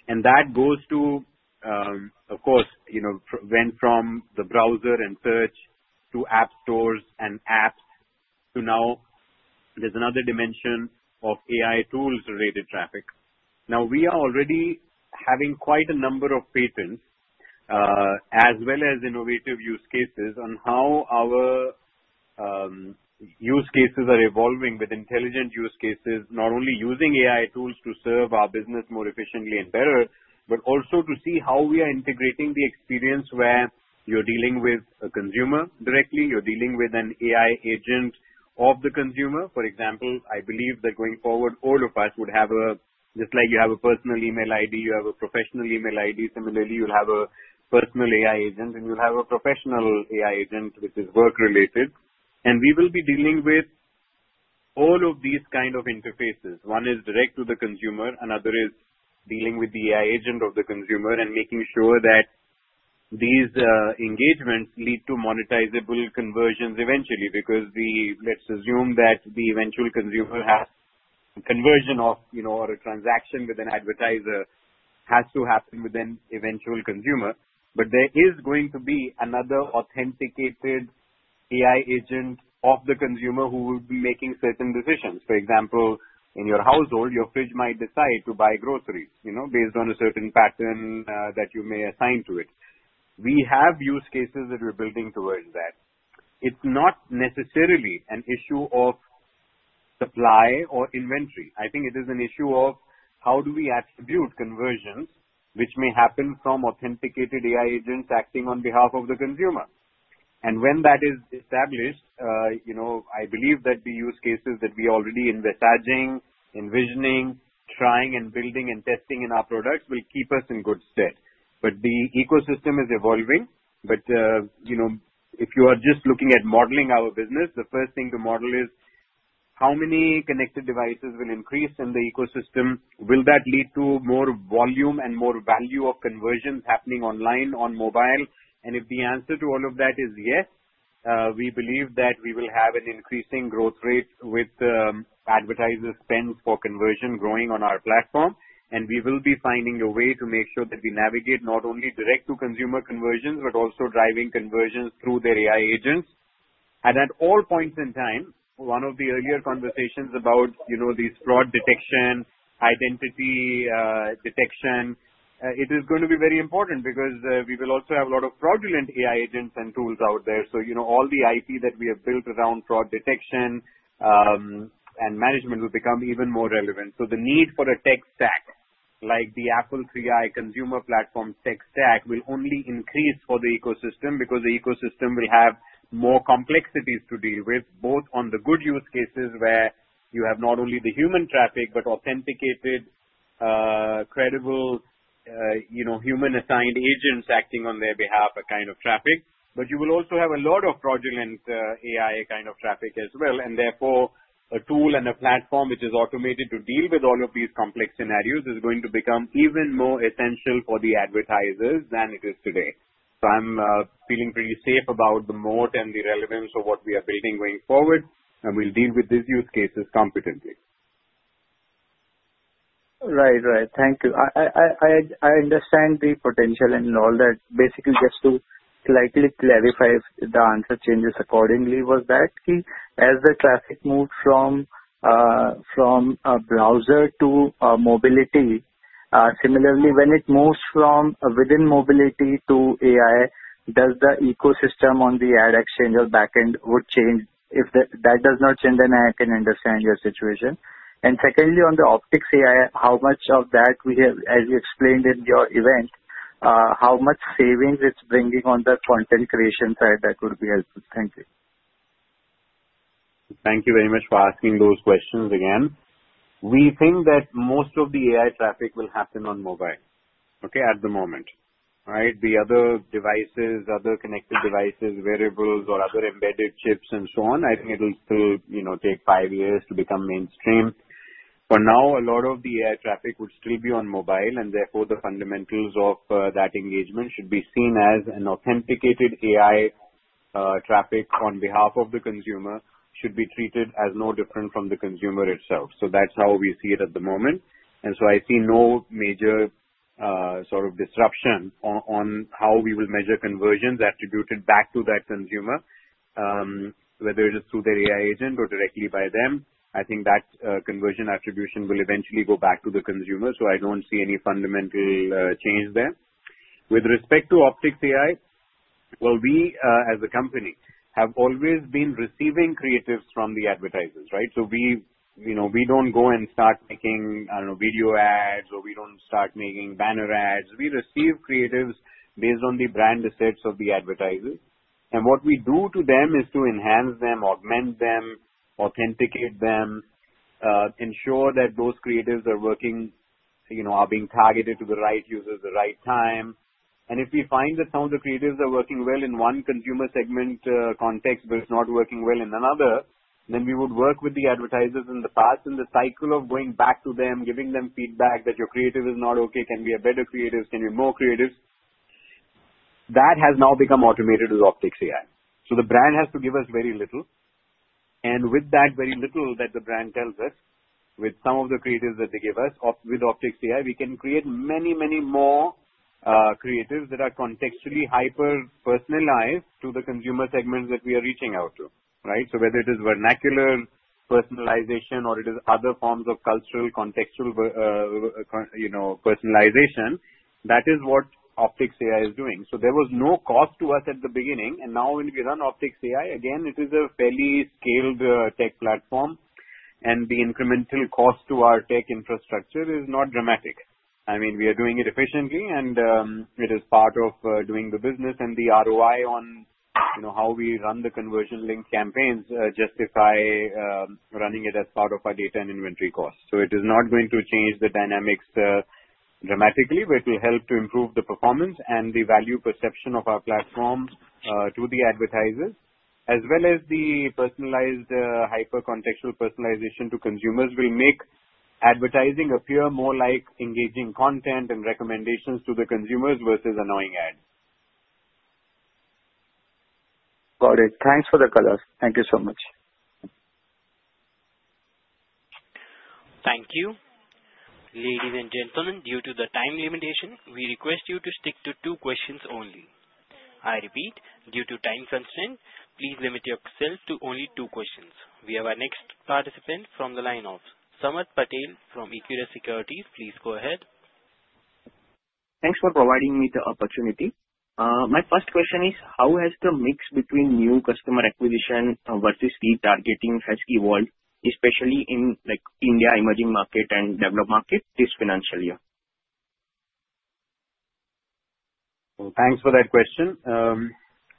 That goes to, of course, went from the browser and search to app stores and apps to now there's another dimension of AI tools-related traffic. Now, we are already having quite a number of patents as well as innovative use cases on how our use cases are evolving with intelligent use cases, not only using AI tools to serve our business more efficiently and better, but also to see how we are integrating the experience where you're dealing with a consumer directly. You're dealing with an AI agent of the consumer. For example, I believe that going forward, all of us would have a—just like you have a personal email ID, you have a professional email ID. Similarly, you'll have a personal AI agent, and you'll have a professional AI agent, which is work-related. We will be dealing with all of these kinds of interfaces. One is direct to the consumer. Another is dealing with the AI agent of the consumer and making sure that these engagements lead to monetizable conversions eventually because we—let's assume that the eventual consumer has a conversion or a transaction with an advertiser has to happen with an eventual consumer. There is going to be another authenticated AI agent of the consumer who will be making certain decisions. For example, in your household, your fridge might decide to buy groceries based on a certain pattern that you may assign to it. We have use cases that we're building towards that. It's not necessarily an issue of supply or inventory. I think it is an issue of how do we attribute conversions, which may happen from authenticated AI agents acting on behalf of the consumer. When that is established, I believe that the use cases that we are already in, the surging, envisioning, trying, and building and testing in our products will keep us in good stead. The ecosystem is evolving. If you are just looking at modeling our business, the first thing to model is how many connected devices will increase in the ecosystem. Will that lead to more volume and more value of conversions happening online, on mobile? If the answer to all of that is yes, we believe that we will have an increasing growth rate with advertiser spend for conversion growing on our platform, and we will be finding a way to make sure that we navigate not only direct-to-consumer conversions but also driving conversions through their AI agents. At all points in time, one of the earlier conversations about these fraud detection, identity detection, it is going to be very important because we will also have a lot of fraudulent AI agents and tools out there. All the IP that we have built around fraud detection and management will become even more relevant. The need for a tech stack like the Affle 3i Consumer Platform tech stack will only increase for the ecosystem because the ecosystem will have more complexities to deal with, both on the good use cases where you have not only the human traffic but authenticated, credible human-assigned agents acting on their behalf, a kind of traffic. You will also have a lot of fraudulent AI kind of traffic as well. A tool and a platform which is automated to deal with all of these complex scenarios is going to become even more essential for the advertisers than it is today. I'm feeling pretty safe about the moat and the relevance of what we are building going forward, and we'll deal with these use cases competently. Right. Right. Thank you. I understand the potential and all that. Basically, just to slightly clarify if the answer changes accordingly, was that key? As the traffic moved from a browser to mobility, similarly, when it moves from within mobility to AI, does the ecosystem on the ad exchange or backend change? If that does not change, then I can understand your situation. Secondly, on the Opticks AI, how much of that we have, as you explained in your event, how much savings it's bringing on the content creation side, that would be helpful. Thank you. Thank you very much for asking those questions again. We think that most of the AI traffic will happen on mobile, okay, at the moment, right? The other devices, other connected devices, wearables, or other embedded chips and so on, I think it'll still take five years to become mainstream. For now, a lot of the AI traffic would still be on mobile, and therefore, the fundamentals of that engagement should be seen as an authenticated AI traffic on behalf of the consumer should be treated as no different from the consumer itself. That is how we see it at the moment. I see no major sort of disruption on how we will measure conversions attributed back to that consumer, whether it is through their AI agent or directly by them. I think that conversion attribution will eventually go back to the consumer. I don't see any fundamental change there. With respect to Opticks AI, we as a company have always been receiving creatives from the advertisers, right? We don't go and start making, I don't know, video ads, or we don't start making banner ads. We receive creatives based on the brand assets of the advertisers. What we do to them is to enhance them, augment them, authenticate them, ensure that those creatives are working, are being targeted to the right users at the right time. If we find that some of the creatives are working well in one consumer segment context but it's not working well in another, then we would work with the advertisers in the past in the cycle of going back to them, giving them feedback that your creative is not okay, can be a better creative, can be more creatives. That has now become automated with Opticks AI. The brand has to give us very little. With that very little that the brand tells us, with some of the creatives that they give us, with Opticks AI, we can create many, many more creatives that are contextually hyper-personalized to the consumer segments that we are reaching out to, right? Whether it is vernacular personalization or it is other forms of cultural contextual personalization, that is what Opticks AI is doing. There was no cost to us at the beginning. Now, when we run Opticks AI, again, it is a fairly scaled tech platform, and the incremental cost to our tech infrastructure is not dramatic. I mean, we are doing it efficiently, and it is part of doing the business and the ROI on how we run the conversion-linked campaigns justify running it as part of our data and inventory costs. It is not going to change the dynamics dramatically, but it will help to improve the performance and the value perception of our platform to the advertisers, as well as the personalized hyper-contextual personalization to consumers will make advertising appear more like engaging content and recommendations to the consumers versus annoying ads. Got it. Thanks for the color. Thank you so much. Thank you. Ladies and gentlemen, due to the time limitation, we request you to stick to two questions only. I repeat, due to time constraint, please limit yourself to only two questions. We have our next participant from the line of Samarth Patel from Equirus Securities. Please go ahead. Thanks for providing me the opportunity. My first question is, how has the mix between new customer acquisition versus key targeting evolved, especially in India, emerging market, and developed market this financial year? Thanks for that question.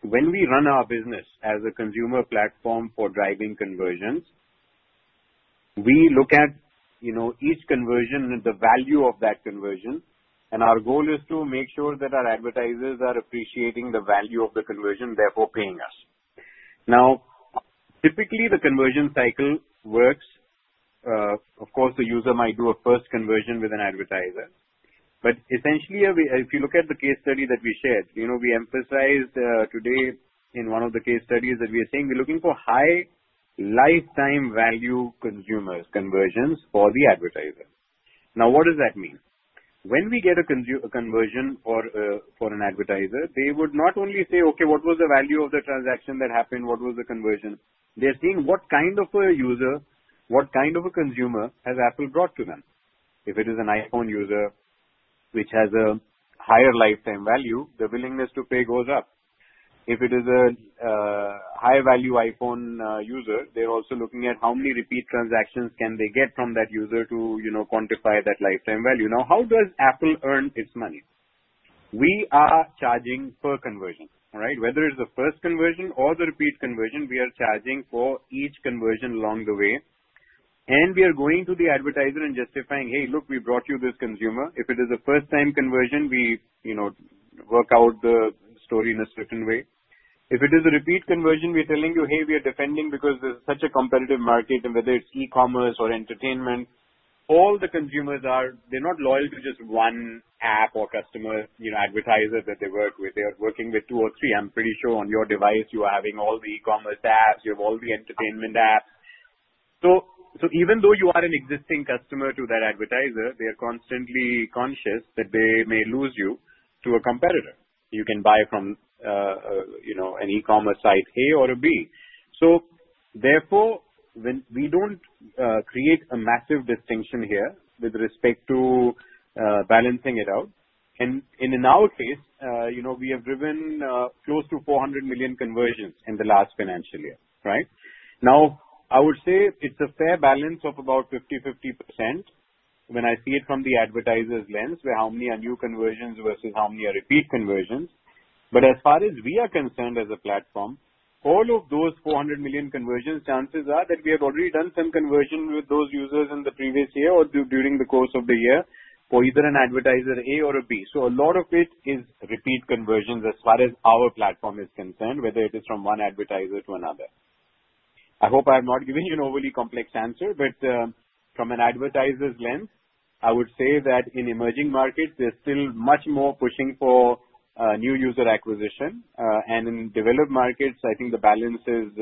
When we run our business as a consumer platform for driving conversions, we look at each conversion and the value of that conversion. Our goal is to make sure that our advertisers are appreciating the value of the conversion, therefore paying us. Typically, the conversion cycle works. Of course, the user might do a first conversion with an advertiser. Essentially, if you look at the case study that we shared, we emphasized today in one of the case studies that we are saying we're looking for high lifetime value consumers conversions for the advertiser. What does that mean? When we get a conversion for an advertiser, they would not only say, "Okay, what was the value of the transaction that happened? What was the conversion?" They're seeing what kind of a user, what kind of a consumer has Affle brought to them. If it is an iPhone user which has a higher lifetime value, the willingness to pay goes up. If it is a high-value iPhone user, they're also looking at how many repeat transactions can they get from that user to quantify that lifetime value. Now, how does Apple earn its money? We are charging per conversion, right? Whether it's the first conversion or the repeat conversion, we are charging for each conversion along the way. We are going to the advertiser and justifying, "Hey, look, we brought you this consumer." If it is a first-time conversion, we work out the story in a certain way. If it is a repeat conversion, we're telling you, "Hey, we are defending because there's such a competitive market," and whether it's e-commerce or entertainment, all the consumers are—they're not loyal to just one app or customer advertiser that they work with. They are working with two or three. I'm pretty sure on your device, you are having all the e-commerce apps. You have all the entertainment apps. Even though you are an existing customer to that advertiser, they are constantly conscious that they may lose you to a competitor. You can buy from an e-commerce site A or a B. Therefore, we don't create a massive distinction here with respect to balancing it out. In our case, we have driven close to 400 million conversions in the last financial year, right? Now, I would say it's a fair balance of about 50-50% when I see it from the advertiser's lens, where how many are new conversions versus how many are repeat conversions. As far as we are concerned as a platform, all of those 400 million conversions, chances are that we have already done some conversion with those users in the previous year or during the course of the year for either an advertiser A or a B. A lot of it is repeat conversions as far as our platform is concerned, whether it is from one advertiser to another. I hope I have not given you an overly complex answer, but from an advertiser's lens, I would say that in emerging markets, there is still much more pushing for new user acquisition. In developed markets, I think the balance is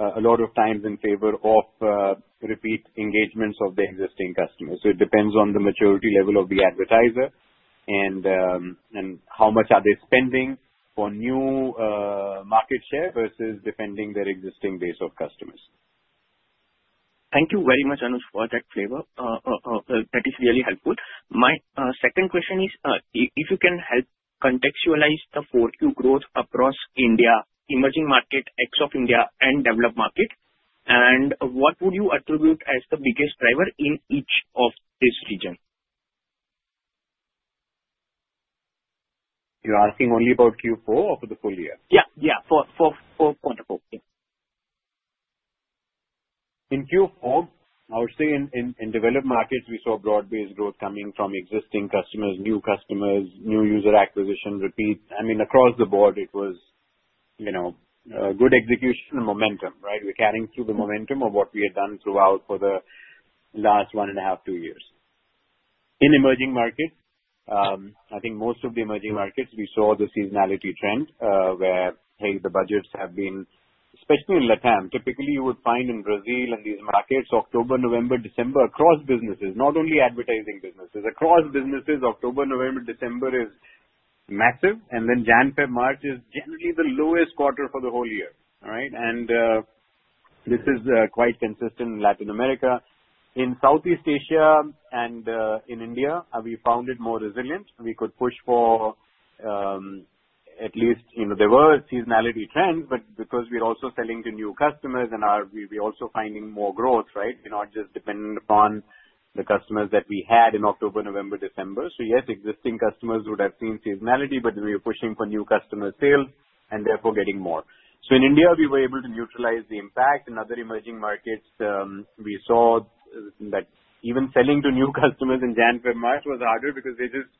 a lot of times in favor of repeat engagements of the existing customers. It depends on the maturity level of the advertiser and how much are they spending for new market share versus defending their existing base of customers. Thank you very much, Anuj, for that flavor. That is really helpful. My second question is, if you can help contextualize the Q4 growth across India, emerging market ex-India, and developed market, and what would you attribute as the biggest driver in each of these regions? You're asking only about Q4 or for the full year? Yeah. Yeah. For quarter four. Yeah. In Q4, I would say in developed markets, we saw broad-based growth coming from existing customers, new customers, new user acquisition, repeat. I mean, across the board, it was good execution and momentum, right? We're carrying through the momentum of what we had done throughout for the last one and a half, two years. In emerging markets, I think most of the emerging markets, we saw the seasonality trend where, hey, the budgets have been, especially in Latin America, typically you would find in Brazil and these markets, October, November, December, across businesses, not only advertising businesses. Across businesses, October, November, December is massive. Then January-February-March is generally the lowest quarter for the whole year, right? This is quite consistent in Latin America. In Southeast Asia and in India, we found it more resilient. We could push for at least there were seasonality trends, but because we're also selling to new customers and we're also finding more growth, right? We're not just dependent upon the customers that we had in October, November, December. Yes, existing customers would have seen seasonality, but we were pushing for new customer sales and therefore getting more. In India, we were able to neutralize the impact. In other emerging markets, we saw that even selling to new customers in January-February-March was harder because they just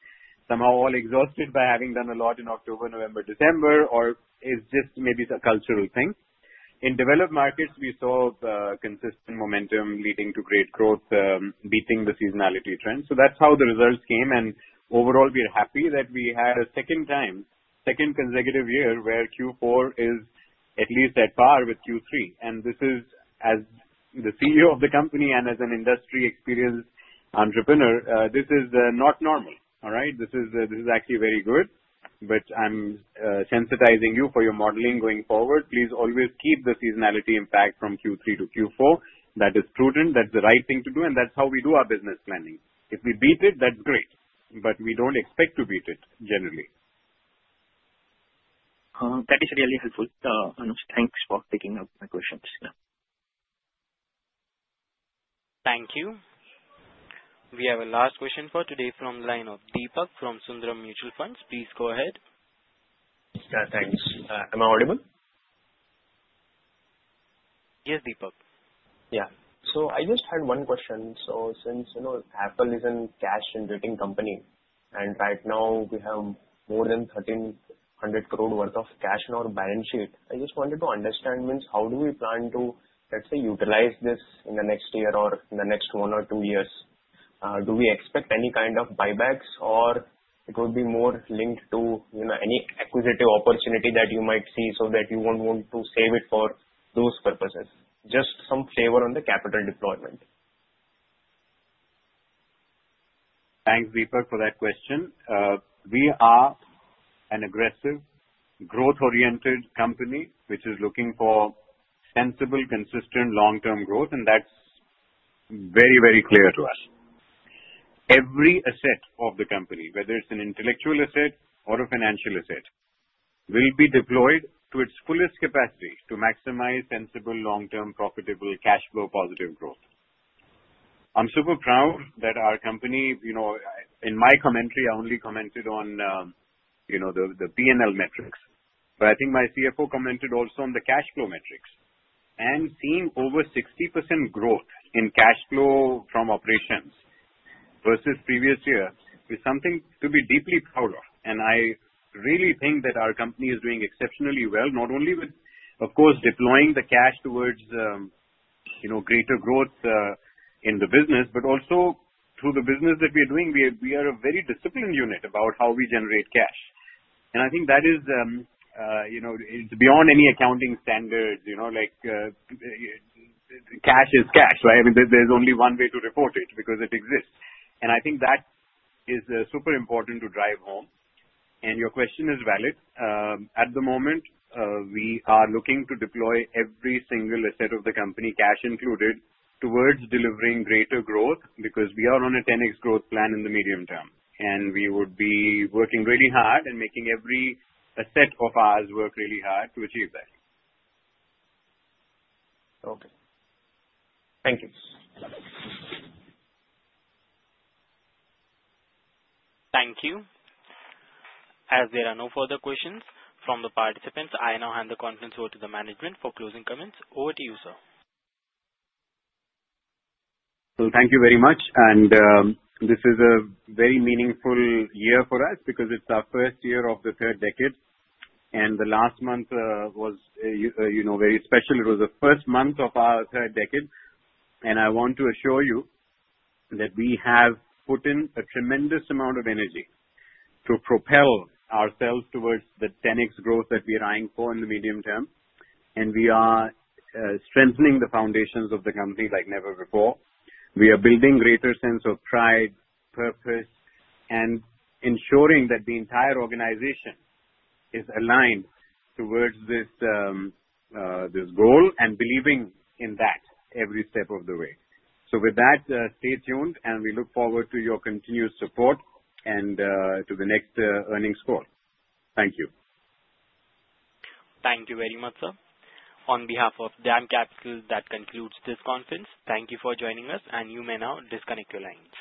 somehow all exhausted by having done a lot in October, November, December, or it's just maybe a cultural thing. In developed markets, we saw consistent momentum leading to great growth, beating the seasonality trend. That's how the results came. Overall, we're happy that we had a second time, second consecutive year where Q4 is at least at par with Q3. As the CEO of the company and as an industry experienced entrepreneur, this is not normal, all right? This is actually very good. I am sensitizing you for your modeling going forward. Please always keep the seasonality impact from Q3 to Q4. That is prudent. That is the right thing to do, and that is how we do our business planning. If we beat it, that is great, but we do not expect to beat it generally. That is really helpful, Anuj. Thanks for picking up my questions. Thank you. We have a last question for today from the line of Deepak from Sundaram Mutual Funds. Please go ahead. Thanks. Am I audible? Yes, Deepak. Yeah. I just had one question. Since Affle is a cash-generating company, and right now we have more than 13 billion worth of cash in our balance sheet, I just wanted to understand, means how do we plan to, let's say, utilize this in the next year or in the next one or two years? Do we expect any kind of buybacks, or it would be more linked to any acquisitive opportunity that you might see so that you would want to save it for those purposes? Just some flavor on the capital deployment. Thanks, Deepak, for that question. We are an aggressive, growth-oriented company which is looking for sensible, consistent long-term growth, and that's very, very clear to us. Every asset of the company, whether it's an intellectual asset or a financial asset, will be deployed to its fullest capacity to maximize sensible, long-term, profitable, cash flow-positive growth. I'm super proud that our company—in my commentary, I only commented on the P&L metrics—but I think my CFO commented also on the cash flow metrics. Seeing over 60% growth in cash flow from operations versus previous year is something to be deeply proud of. I really think that our company is doing exceptionally well, not only with, of course, deploying the cash towards greater growth in the business, but also through the business that we are doing, we are a very disciplined unit about how we generate cash. I think that is beyond any accounting standards. Cash is cash, right? I mean, there is only one way to report it because it exists. I think that is super important to drive home. Your question is valid. At the moment, we are looking to deploy every single asset of the company, cash included, toward delivering greater growth because we are on a 10x growth plan in the medium term. We would be working really hard and making every asset of ours work really hard to achieve that. Okay. Thank you. Thank you. As there are no further questions from the participants, I now hand the continuous vote to the management for closing comments. Over to you, sir. Thank you very much. This is a very meaningful year for us because it is our first year of the third decade. The last month was very special. It was the first month of our third decade. I want to assure you that we have put in a tremendous amount of energy to propel ourselves towards the 10x growth that we are eyeing for in the medium term. We are strengthening the foundations of the company like never before. We are building a greater sense of pride, purpose, and ensuring that the entire organization is aligned towards this goal and believing in that every step of the way. With that, stay tuned, and we look forward to your continued support and to the next earnings call. Thank you. Thank you very much, sir. On behalf of DAM Capital, that concludes this conference. Thank you for joining us, and you may now disconnect your lines.